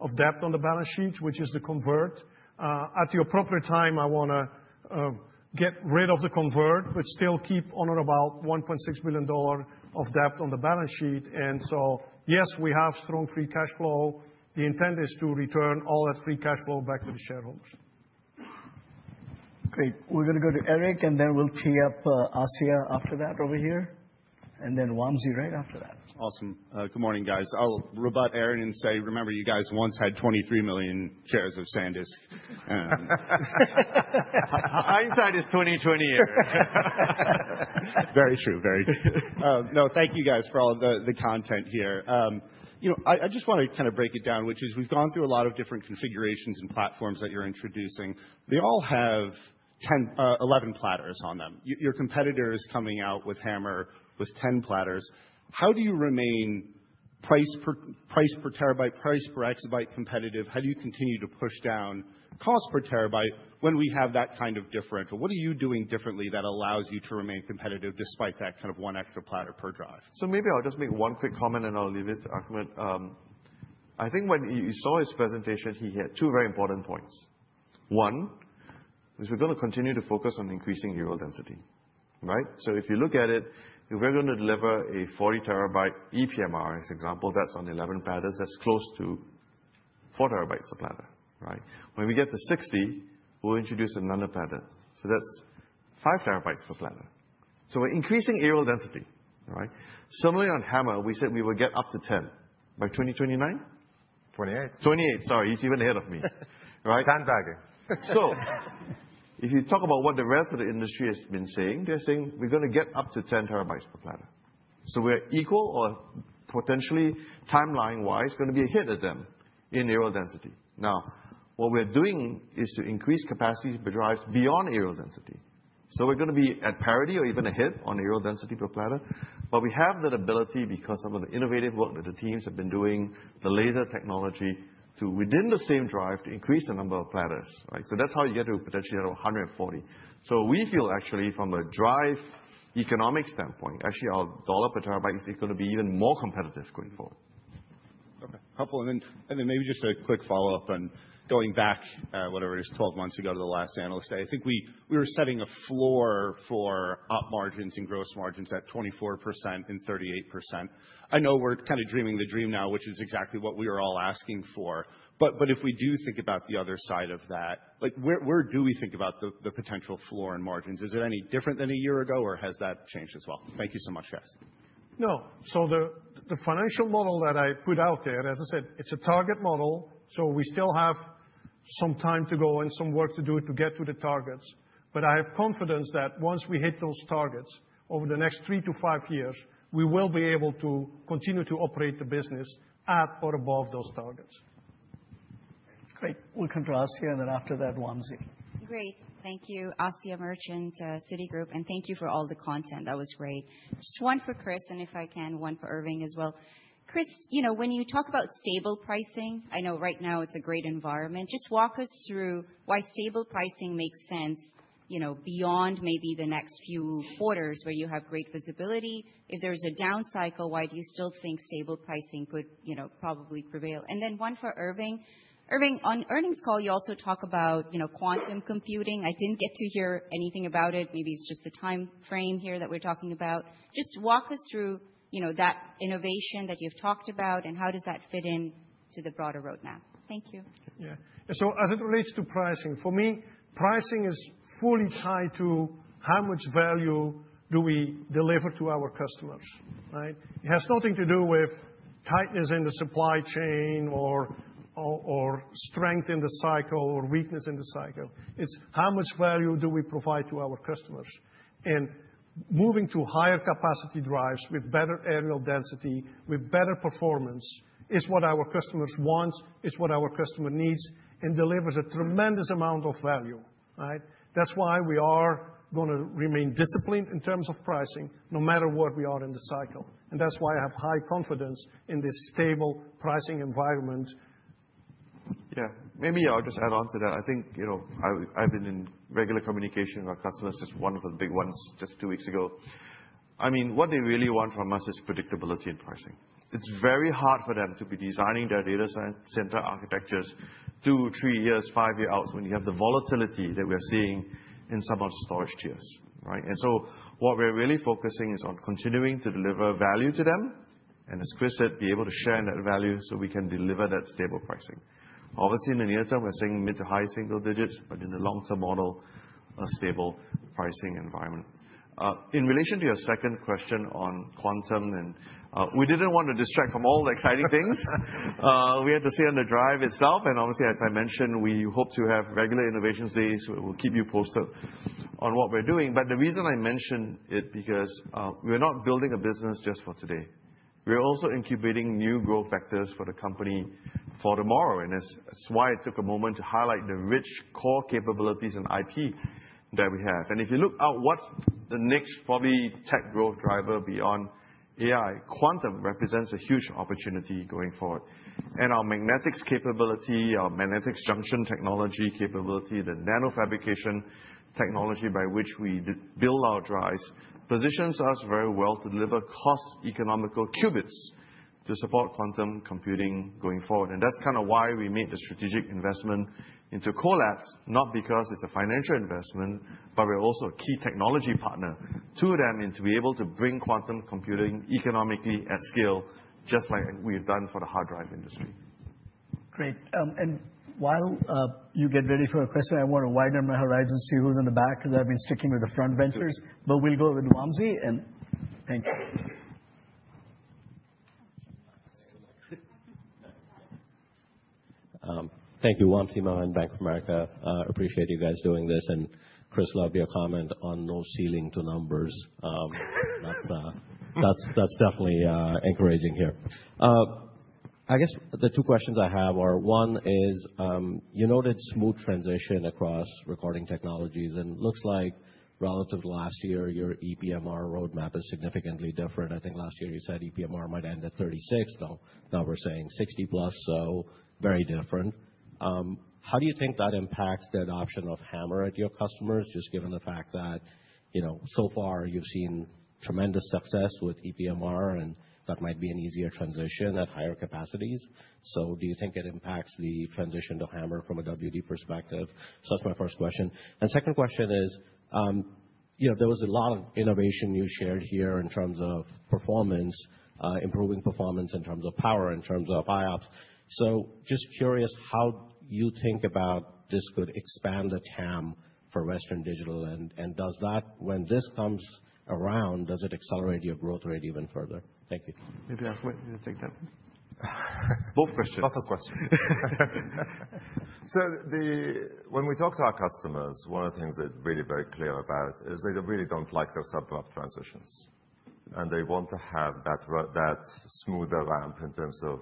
of debt on the balance sheet, which is the convertible. At the appropriate time, I wanna get rid of the convertible, but still keep on about $1.6 billion of debt on the balance sheet. So, yes, we have strong free cash flow. The intent is to return all that free cash flow back to the shareholders. Great. We're going to go to Erik, and then we'll tee up, Asiya after that, over here, and then Wamsi right after that. Awesome. Good morning, guys. I'll rebut Aaron and say: Remember, you guys once had 23 million shares of SanDisk... Hindsight is 20/20, Aaron. Very true, very. No, thank you guys, for all of the content here. You know, I just want to kind of break it down, which is we've gone through a lot of different configurations and platforms that you're introducing. They all have 10, 11 platters on them. Your competitor is coming out with HAMR, with 10 platters. How do you remain price per, price per terabyte, price per exabyte competitive? How do you continue to push down cost per terabyte when we have that kind of differential? What are you doing differently that allows you to remain competitive despite that kind of one extra platter per drive? So maybe I'll just make one quick comment, and I'll leave it to Ahmed. I think when you saw his presentation, he had two very important points. One is we're going to continue to focus on increasing areal density, right? So if you look at it, if we're going to deliver a 40 TB ePMR, as example, that's on 11 platters, that's close to 4 TB a platter, right? When we get to 60, we'll introduce another platter, so that's 5 TB per platter. So we're increasing areal density, all right? Similarly, on HAMR, we said we would get up to 10 by 2029? 2028. 2028, sorry. He's even ahead of me. Right. Sandbagging. So if you talk about what the rest of the industry has been saying, they're saying we're going to get up to 10 TB per platter. So we're equal or potentially, timeline-wise, going to be ahead of them in areal density. Now, what we're doing is to increase capacity for drives beyond areal density. So we're going to be at parity or even ahead on areal density per platter. But we have that ability because some of the innovative work that the teams have been doing, the laser technology, to within the same drive, to increase the number of platters, right? So that's how you get to potentially 140. So we feel actually from a drive economic standpoint, actually, our dollar per TB is going to be even more competitive going forward. Okay. A couple, and then maybe just a quick follow-up, and going back, whatever it is, 12 months ago to the last analyst day, I think we were setting a floor for op margins and gross margins at 24% and 38%. I know we're kind of dreaming the dream now, which is exactly what we were all asking for. But if we do think about the other side of that, like, where do we think about the potential floor and margins? Is it any different than a year ago, or has that changed as well? Thank you so much, guys. No. So the financial model that I put out there, as I said, it's a target model, so we still have some time to go and some work to do to get to the targets. But I have confidence that once we hit those targets over the next three to five years, we will be able to continue to operate the business at or above those targets. It's great. We'll come to Asiya, and then after that, Wamsi. Great. Thank you. Asiya Merchant, Citigroup, and thank you for all the content. That was great. Just one for Kris, and if I can, one for Irving as well. Kris, you know, when you talk about stable pricing, I know right now it's a great environment. Just walk us through why stable pricing makes sense, you know, beyond maybe the next few quarters where you have great visibility. If there's a down cycle, why do you still think stable pricing could, you know, probably prevail? And then one for Irving. Irving, on earnings call, you also talk about, you know, quantum computing. I didn't get to hear anything about it. Maybe it's just the timeframe here that we're talking about. Just walk us through, you know, that innovation that you've talked about, and how does that fit in to the broader roadmap? Thank you. Yeah. So as it relates to pricing, for me, pricing is fully tied to how much value do we deliver to our customers, right? It has nothing to do with tightness in the supply chain or strength in the cycle or weakness in the cycle. It's how much value do we provide to our customers? And moving to higher capacity drives with better areal density, with better performance, is what our customers want, it's what our customer needs, and delivers a tremendous amount of value, right? That's why we are gonna remain disciplined in terms of pricing, no matter where we are in the cycle. And that's why I have high confidence in this stable pricing environment. Yeah, maybe I'll just add on to that. I think, you know, I've been in regular communication with our customers, just one of the big ones, just two weeks ago. I mean, what they really want from us is predictability in pricing. It's very hard for them to be designing their data center architectures two, three years, five years out, when you have the volatility that we're seeing in some of the storage tiers, right? And so what we're really focusing is on continuing to deliver value to them, and as Kris said, be able to share in that value so we can deliver that stable pricing. Obviously, in the near term, we're seeing mid- to high-single digits, but in the long-term model, a stable pricing environment. In relation to your second question on quantum and, we didn't want to distract from all the exciting things, we had to stay on the drive itself. And obviously, as I mentioned, we hope to have regular innovation days. We'll keep you posted on what we're doing. But the reason I mentioned it, because, we're not building a business just for today. We're also incubating new growth vectors for the company for tomorrow, and that's, that's why I took a moment to highlight the rich core capabilities and IP that we have. And if you look at what's the next probably tech growth driver beyond AI, quantum represents a huge opportunity going forward. Our magnetics capability, our magnetics junction technology capability, the nanofabrication technology by which we build our drives, positions us very well to deliver cost economical qubits to support quantum computing going forward. That's kind of why we made the strategic investment into Qolab, not because it's a financial investment, but we're also a key technology partner to them, and to be able to bring quantum computing economically at scale, just like we've done for the hard drive industry. Great. And while you get ready for a question, I want to widen my horizons, see who's in the back, because I've been sticking with the front benchers. But we'll go with Wamsi, and thank you. Thank you. Wamsi Mohan, Bank of America. Appreciate you guys doing this, and Kris, loved your comment on no ceiling to numbers. That's definitely encouraging here. I guess the two questions I have are, one is, you noted smooth transition across recording technologies, and it looks like relative to last year, your ePMR roadmap is significantly different. I think last year you said ePMR might end at 36, now, now we're saying 60 plus, so very different. How do you think that impacts the adoption of HAMR at your customers, just given the fact that, you know, so far you've seen tremendous success with ePMR, and that might be an easier transition at higher capacities. So do you think it impacts the transition to HAMR from a WD perspective? So that's my first question. Second question is, you know, there was a lot of innovation you shared here in terms of performance, improving performance in terms of power, in terms of IOPS. So just curious how you think about this could expand the TAM for Western Digital, and does that. When this comes around, does it accelerate your growth rate even further? Thank you. Maybe I'll let you take that one. Both questions. Lots of questions. So the... When we talk to our customers, one of the things they're really very clear about, is they really don't like their step-ramp transitions. And they want to have that that smoother ramp in terms of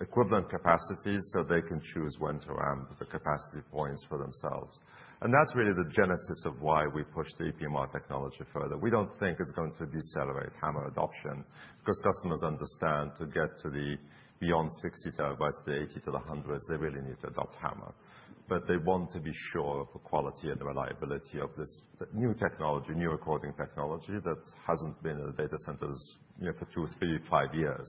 equivalent capacity, so they can choose when to ramp the capacity points for themselves. And that's really the genesis of why we pushed the ePMR technology further. We don't think it's going to decelerate HAMR adoption, because customers understand to get to the beyond 60 TB, the 80 TB to the 100s TB, they really need to adopt HAMR. But they want to be sure of the quality and reliability of this new technology, new recording technology, that hasn't been in the data centers, you know, for two, three, five years,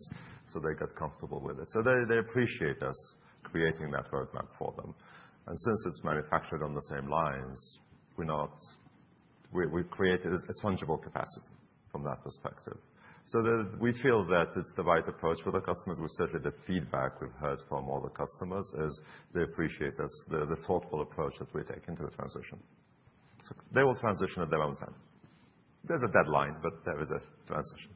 so they get comfortable with it. So they appreciate us creating that roadmap for them. And since it's manufactured on the same lines, we're not. We, we've created a tangible capacity from that perspective. So we feel that it's the right approach for the customers. Well, certainly the feedback we've heard from all the customers is, they appreciate us, the thoughtful approach that we're taking to the transition. So they will transition at their own time. There's a deadline, but there is a transition.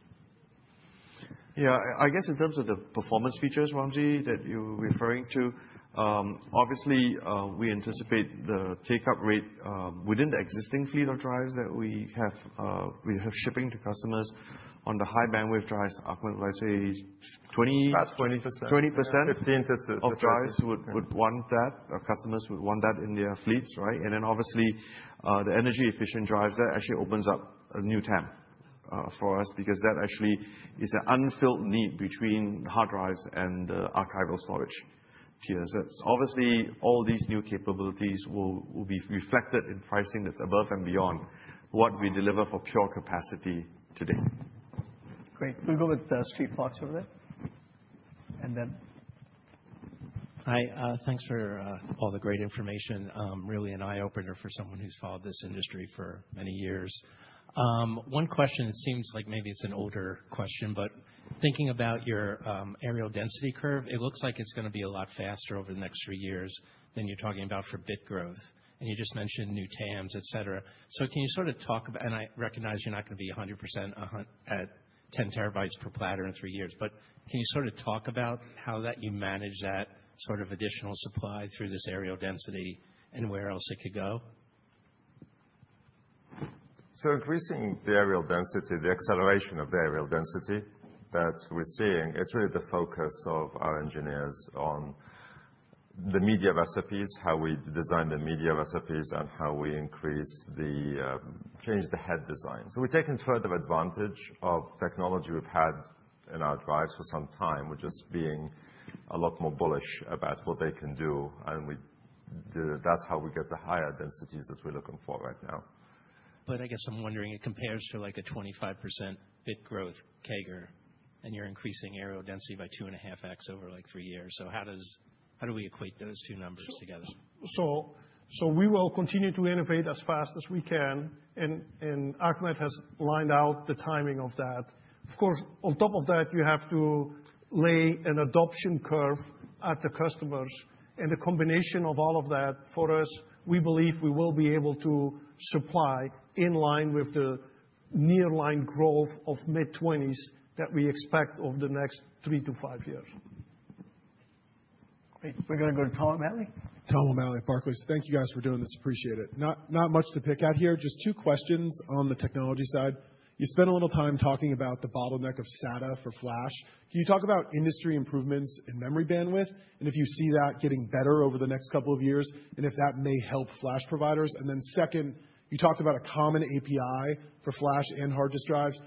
Yeah, I guess in terms of the performance features, Wamsi, that you're referring to, obviously, we anticipate the take-up rate within the existing fleet of drives that we have shipping to customers on the High-Bandwidth Drives, I would say 20%- About 20%. 20%. 15%-20%. Of drives would want that, or customers would want that in their fleets, right? And then obviously, the energy efficient drives, that actually opens up a new TAM, for us, because that actually is an unfilled need between hard drives and the archival storage tiers. That's obviously, all these new capabilities will be reflected in pricing that's above and beyond what we deliver for pure capacity today. Great. We'll go with Steven Fox over there, and then- Hi, thanks for all the great information. Really an eye-opener for someone who's followed this industry for many years. One question seems like maybe it's an older question, but thinking about your areal density curve, it looks like it's gonna be a lot faster over the next three years than you're talking about for bit growth. And you just mentioned new TAMs, et cetera. So can you sort of talk about—and I recognize you're not going to be 100%, at-... 10 TB per platter in three years. But can you sort of talk about how that you manage that sort of additional supply through this areal density, and where else it could go? So increasing the areal density, the acceleration of the areal density that we're seeing, it's really the focus of our engineers on the media recipes, how we design the media recipes, and how we increase the, change the head design. So we're taking further advantage of technology we've had in our drives for some time. We're just being a lot more bullish about what they can do, and we do—that's how we get the higher densities that we're looking for right now. I guess I'm wondering, it compares to, like, a 25% bit growth CAGR, and you're increasing areal density by 2.5 times over, like, three years. So how do we equate those two numbers together? So we will continue to innovate as fast as we can, and Ahmed has laid out the timing of that. Of course, on top of that, you have to lay an adoption curve at the customers. The combination of all of that, for us, we believe we will be able to supply in line with the Nearline growth of mid-20s that we expect over the next three to five years. Okay, we're gonna go to Tom O'Malley. Tom O'Malley, Barclays. Thank you guys for doing this. Appreciate it. Not much to pick at here. Just two questions on the technology side. You spent a little time talking about the bottleneck of SATA for flash. Can you talk about industry improvements in memory bandwidth, and if you see that getting better over the next couple of years, and if that may help flash providers? And then second, you talked about a common API for flash and hard disk drives.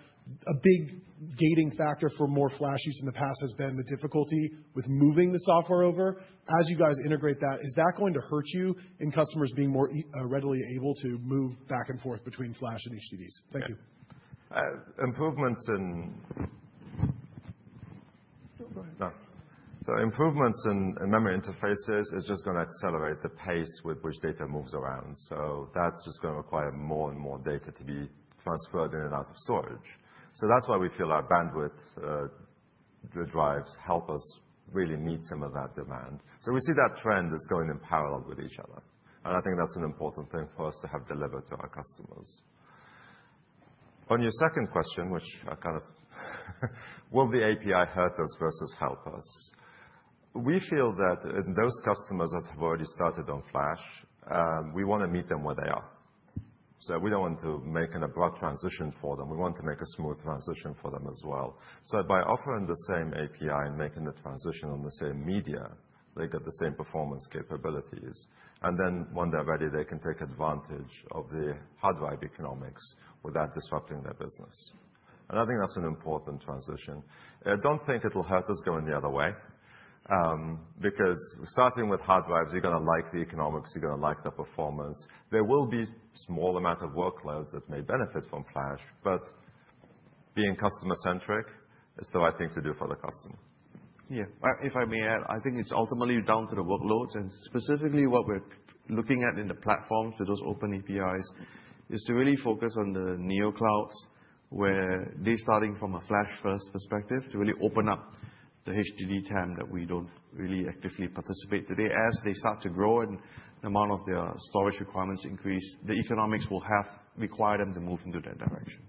A big gating factor for more flash use in the past has been the difficulty with moving the software over. As you guys integrate that, is that going to hurt you in customers being more readily able to move back and forth between flash and HDDs? Thank you. Improvements in- Go ahead. No. So improvements in memory interfaces is just gonna accelerate the pace with which data moves around, so that's just gonna require more and more data to be transferred in and out of storage. So that's why we feel our bandwidth the drives help us really meet some of that demand. So we see that trend as going in parallel with each other, and I think that's an important thing for us to have delivered to our customers. On your second question, which I kind of... Will the API hurt us versus help us? We feel that those customers that have already started on flash, we want to meet them where they are. So we don't want to make an abrupt transition for them. We want to make a smooth transition for them as well. So by offering the same API and making the transition on the same media, they get the same performance capabilities, and then when they're ready, they can take advantage of the hard drive economics without disrupting their business. And I think that's an important transition. I don't think it will hurt us going the other way, because starting with hard drives, you're gonna like the economics, you're gonna like the performance. There will be small amount of workloads that may benefit from flash, but being customer-centric is the right thing to do for the customer. Yeah. If, if I may add, I think it's ultimately down to the workloads, and specifically what we're looking at in the platform for those open APIs, is to really focus on the Neoclouds, where they're starting from a flash-first perspective to really open up the HDD TAM that we don't really actively participate today. As they start to grow and the amount of their storage requirements increase, the economics will have require them to move into that direction.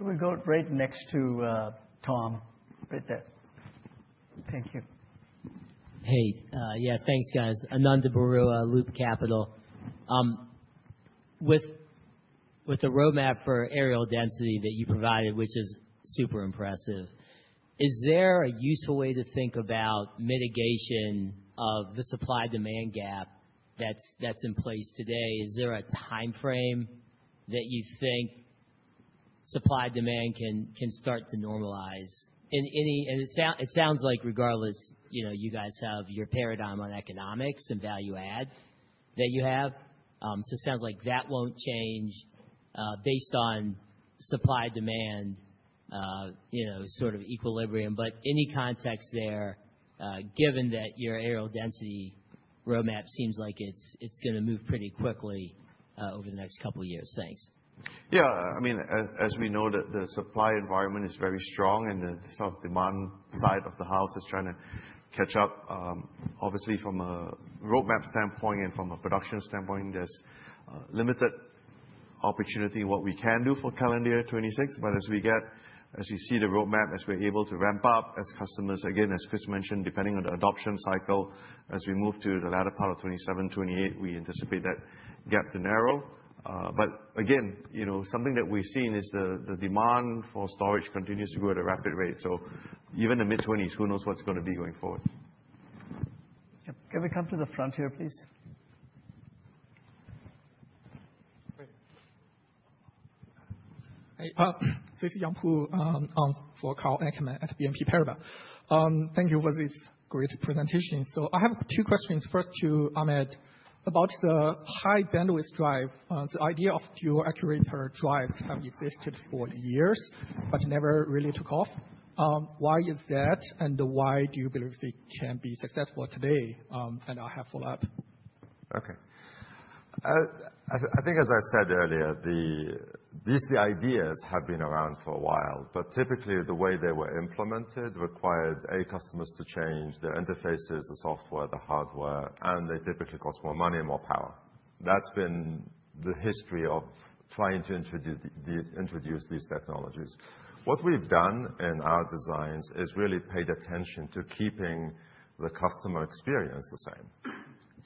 We'll go right next to, Tom, right there. Thank you. Thanks, guys. Ananda Baruah, Loop Capital. With the roadmap for areal density that you provided, which is super impressive, is there a useful way to think about mitigation of the supply-demand gap that's in place today? Is there a time frame that you think supply-demand can start to normalize? And it sounds like regardless, you know, you guys have your paradigm on economics and value add that you have. So it sounds like that won't change, based on supply-demand, you know, sort of equilibrium. But any context there, given that your areal density roadmap seems like it's gonna move pretty quickly, over the next couple years? Thanks. Yeah. I mean, as we know, the supply environment is very strong, and the sort of demand side of the house is trying to catch up. Obviously from a roadmap standpoint and from a production standpoint, there's limited opportunity what we can do for calendar 2026. But as we get, as you see the roadmap, as we're able to ramp up, as customers, again, as Kris mentioned, depending on the adoption cycle, as we move to the latter part of 2027, 2028, we anticipate that gap to narrow. But again, you know, something that we've seen is the demand for storage continues to grow at a rapid rate. So even the mid-2020s, who knows what's gonna be going forward? Yep. Can we come to the front here, please? Great. Hey, this is Yang Pu, for Karl Ackerman at BNP Paribas. Thank you for this great presentation. So I have two questions, first to Ahmed. About the High-Bandwidth Drive, the idea of dual actuator drives have existed for years but never really took off. Why is that, and why do you believe they can be successful today? And I have follow-up. Okay.... I think as I said earlier, these ideas have been around for a while, but typically the way they were implemented required customers to change their interfaces, the software, the hardware, and they typically cost more money and more power. That's been the history of trying to introduce these technologies. What we've done in our designs is really paid attention to keeping the customer experience the same.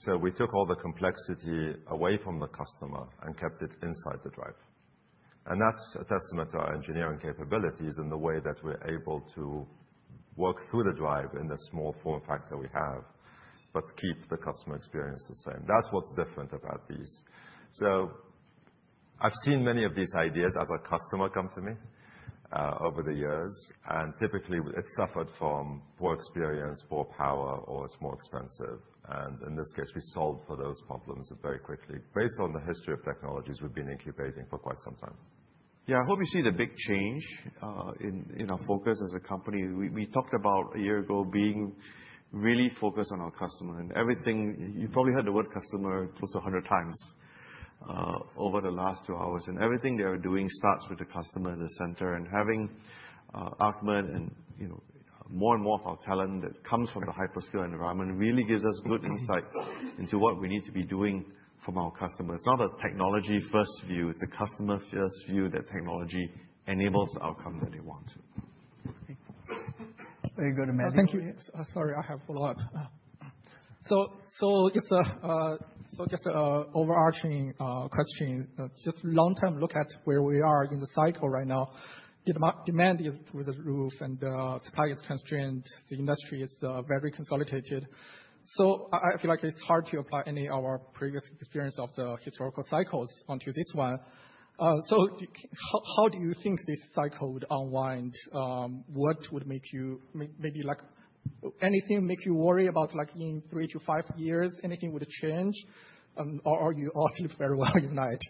So we took all the complexity away from the customer and kept it inside the drive, and that's a testament to our engineering capabilities and the way that we're able to work through the drive in the small form factor we have, but keep the customer experience the same. That's what's different about these. So I've seen many of these ideas as a customer come to me, over the years, and typically it suffered from poor experience, poor power, or it's more expensive, and in this case, we solved for those problems very quickly. Based on the history of technologies, we've been incubating for quite some time. Yeah, I hope you see the big change in our focus as a company. We talked about a year ago being really focused on our customer, and everything. You probably heard the word customer close to 100 times over the last two hours, and everything they are doing starts with the customer in the center. And having Ahmed, and you know, more and more of our talent that comes from the hyperscale environment, really gives us good insight into what we need to be doing from our customers. It's not a technology-first view, it's a customer-first view, that technology enables the outcome that they want to. Very good, Matt. Thank you. Sorry, I have follow-up. So just an overarching question, just long-term look at where we are in the cycle right now. Demand is through the roof, and supply is constrained. The industry is very consolidated. So I feel like it's hard to apply any of our previous experience of the historical cycles onto this one. So how do you think this cycle would unwind? What would make you maybe like anything make you worry about, like, in three to five years, anything would change, or you all sleep very well at night?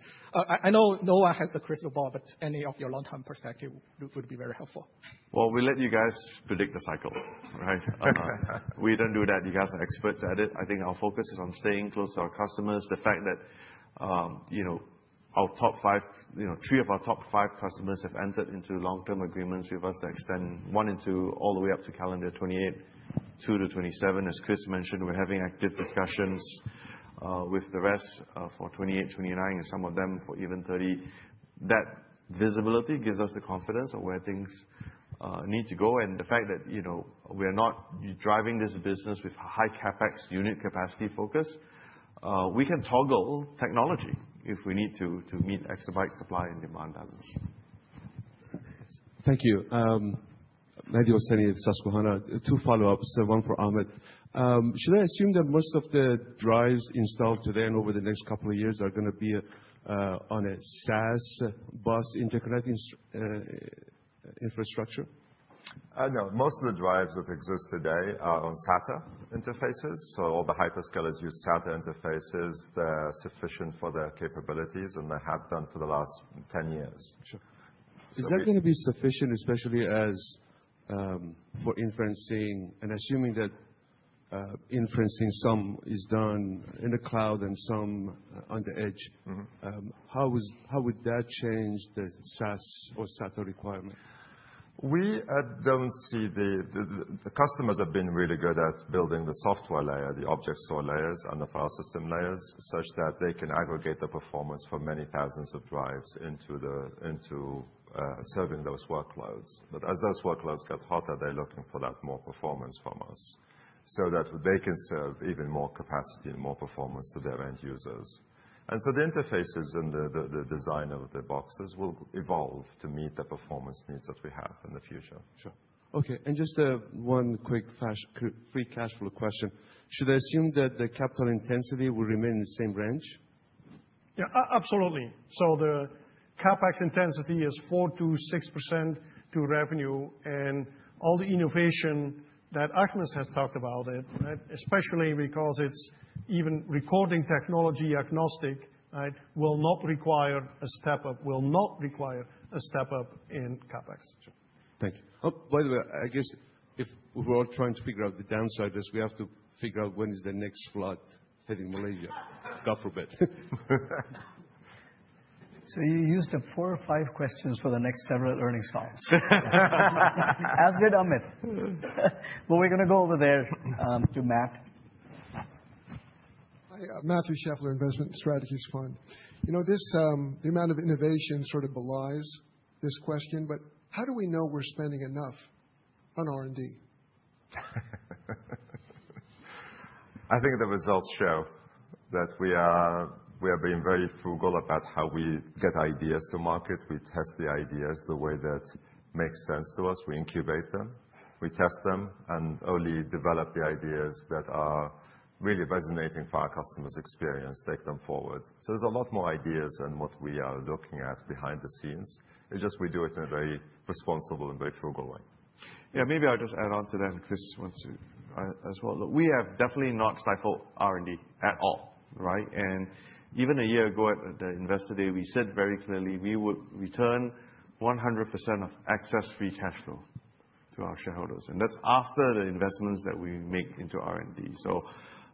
I know no one has a crystal ball, but any of your long-term perspective would be very helpful. Well, we let you guys predict the cycle, right? We don't do that. You guys are experts at it. I think our focus is on staying close to our customers. The fact that, you know, our top five, you know, three of our top five customers have entered into long-term agreements with us to extend one into all the way up to calendar 2028, two to 2027. As Kris mentioned, we're having active discussions with the rest for 2028, 2029, and some of them for even 2030. That visibility gives us the confidence of where things need to go, and the fact that, you know, we are not driving this business with high CapEx unit capacity focus, we can toggle technology if we need to, to meet exabyte supply and demand balance. Thank you. Mehdi Hosseini, Susquehanna. Two follow-ups, one for Ahmed. Should I assume that most of the drives installed today and over the next couple of years are gonna be on a SAS bus interconnect infrastructure? No. Most of the drives that exist today are on SATA interfaces, so all the hyperscalers use SATA interfaces. They're sufficient for their capabilities, and they have done for the last 10 years. Sure. Okay. Is that gonna be sufficient, especially as, for inferencing, and assuming that, inferencing some is done in the cloud and some on the edge? Mm-hmm. How would that change the SAS or SATA requirement? We don't see the customers have been really good at building the software layer, the object store layers, and the file system layers, such that they can aggregate the performance for many thousands of drives into serving those workloads. But as those workloads get hotter, they're looking for that more performance from us, so that they can serve even more capacity and more performance to their end users. And so the interfaces and the design of the boxes will evolve to meet the performance needs that we have in the future. Sure. Okay, and just, one quick free cash flow question. Should I assume that the capital intensity will remain in the same range? Yeah, absolutely. So the CapEx intensity is 4%-6% to revenue, and all the innovation that Ahmed has talked about it, right? Especially because it's even recording technology agnostic, right? Will not require a step-up. Will not require a step-up in CapEx. Sure. Thank you. Oh, by the way, I guess if we're all trying to figure out the downside, is we have to figure out when is the next flood hitting Malaysia? God forbid. So you used up four or five questions for the next several earnings calls. As did Ahmed. Well, we're gonna go over there, to Matt. Hi, Matt Shefler, Investment Strategies Fund. You know, this, the amount of innovation sort of belies this question, but how do we know we're spending enough on R&D? I think the results show that we are, we are being very frugal about how we get ideas to market. We test the ideas the way that makes sense to us. We incubate them, we test them, and only develop the ideas that are really resonating for our customers' experience, take them forward. So there's a lot more ideas in what we are looking at behind the scenes. It's just we do it in a very responsible and very frugal way. Yeah, maybe I'll just add on to that, and Kris wants to as well. We have definitely not stifled R&D at all, right? And even a year ago at the Investor Day, we said very clearly we would return 100% of excess free cash flow to our shareholders, and that's after the investments that we make into R&D. So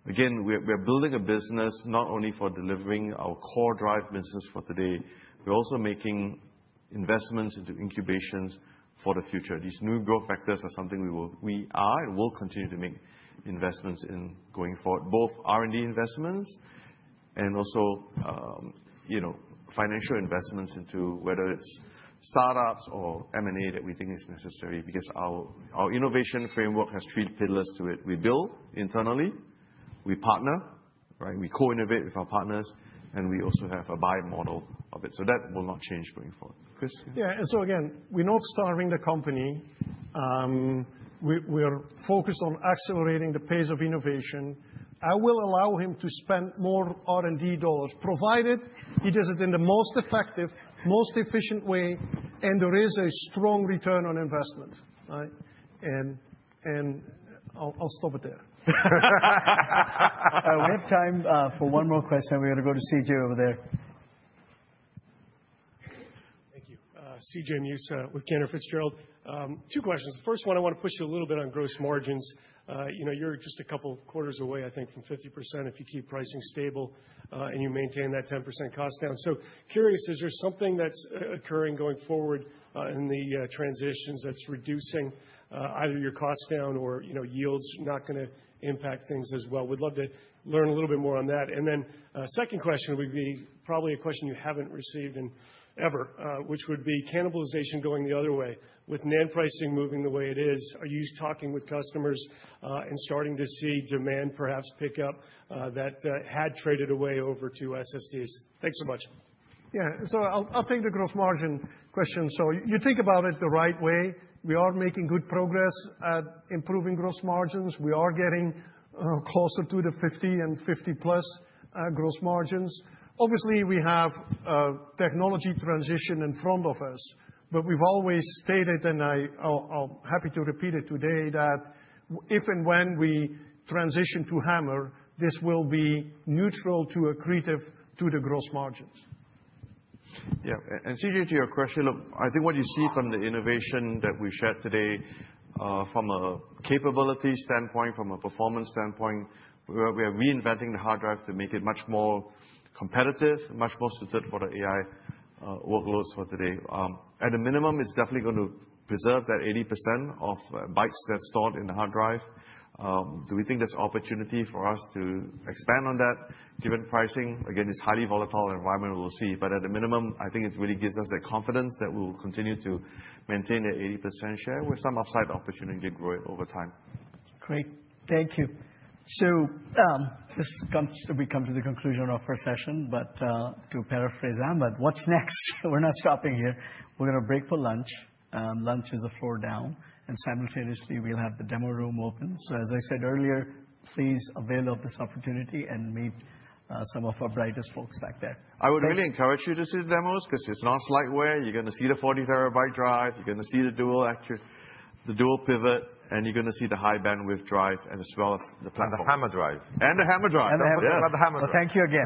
again, we are building a business not only for delivering our core drive business for today, we're also making investments into incubations for the future. These new growth factors are something we are and will continue to make investments in going forward, both R&D investments and also, you know, financial investments into whether it's startups or M&A that we think is necessary. Because our innovation framework has three pillars to it: We build internally, we partner, right? We co-innovate with our partners, and we also have a buy model of it. So that will not change going forward. Kris? Yeah, and so again, we're not starving the company. We are focused on accelerating the pace of innovation. I will allow him to spend more R&D dollars, provided he does it in the most effective, most efficient way, and there is a strong return on investment, all right? I'll stop it there. We have time for one more question. We're gonna go to C.J. over there. Thank you. C.J. Muse with Cantor Fitzgerald. Two questions. The first one, I wanna push you a little bit on gross margins. You know, you're just a couple quarters away, I think, from 50% if you keep pricing stable, and you maintain that 10% cost down. So curious, is there something that's occurring going forward in the transitions that's reducing either your cost down or, you know, yields not gonna impact things as well? We'd love to learn a little bit more on that. Then, second question would be probably a question you haven't received in ever, which would be cannibalization going the other way. With NAND pricing moving the way it is, are you talking with customers and starting to see demand perhaps pick up that had traded away over to SSDs? Thanks so much. Yeah. So I'll take the gross margin question. So you think about it the right way. We are making good progress at improving gross margins. We are getting closer to the 50 and 50-plus gross margins. Obviously, we have technology transition in front of us, but we've always stated, and I'll be happy to repeat it today, that if and when we transition to HAMR, this will be neutral to accretive to the gross margins. Yeah. And CJ, to your question, look, I think what you see from the innovation that we've shared today, from a capability standpoint, from a performance standpoint, we are reinventing the hard drive to make it much more competitive, much more suited for the AI workloads for today. At a minimum, it's definitely going to preserve that 80% of bytes that's stored in the hard drive. Do we think there's opportunity for us to expand on that given pricing? Again, it's highly volatile environment, we'll see. But at a minimum, I think it really gives us the confidence that we'll continue to maintain the 80% share with some upside opportunity to grow it over time. Great. Thank you. So, we come to the conclusion of our first session, but to paraphrase Ahmed, what's next? We're not stopping here. We're gonna break for lunch. Lunch is a floor down, and simultaneously, we'll have the demo room open. So as I said earlier, please avail of this opportunity and meet some of our brightest folks back there. I would really encourage you to see the demos, 'cause it's not slideware. You're gonna see the 40 TB drive, you're gonna see the dual access, the Dual Pivot, and you're gonna see the High-Bandwidth Drive, and as well as the platform. The HAMR drive. The HAMR drive! The HAMR drive. Thank you again.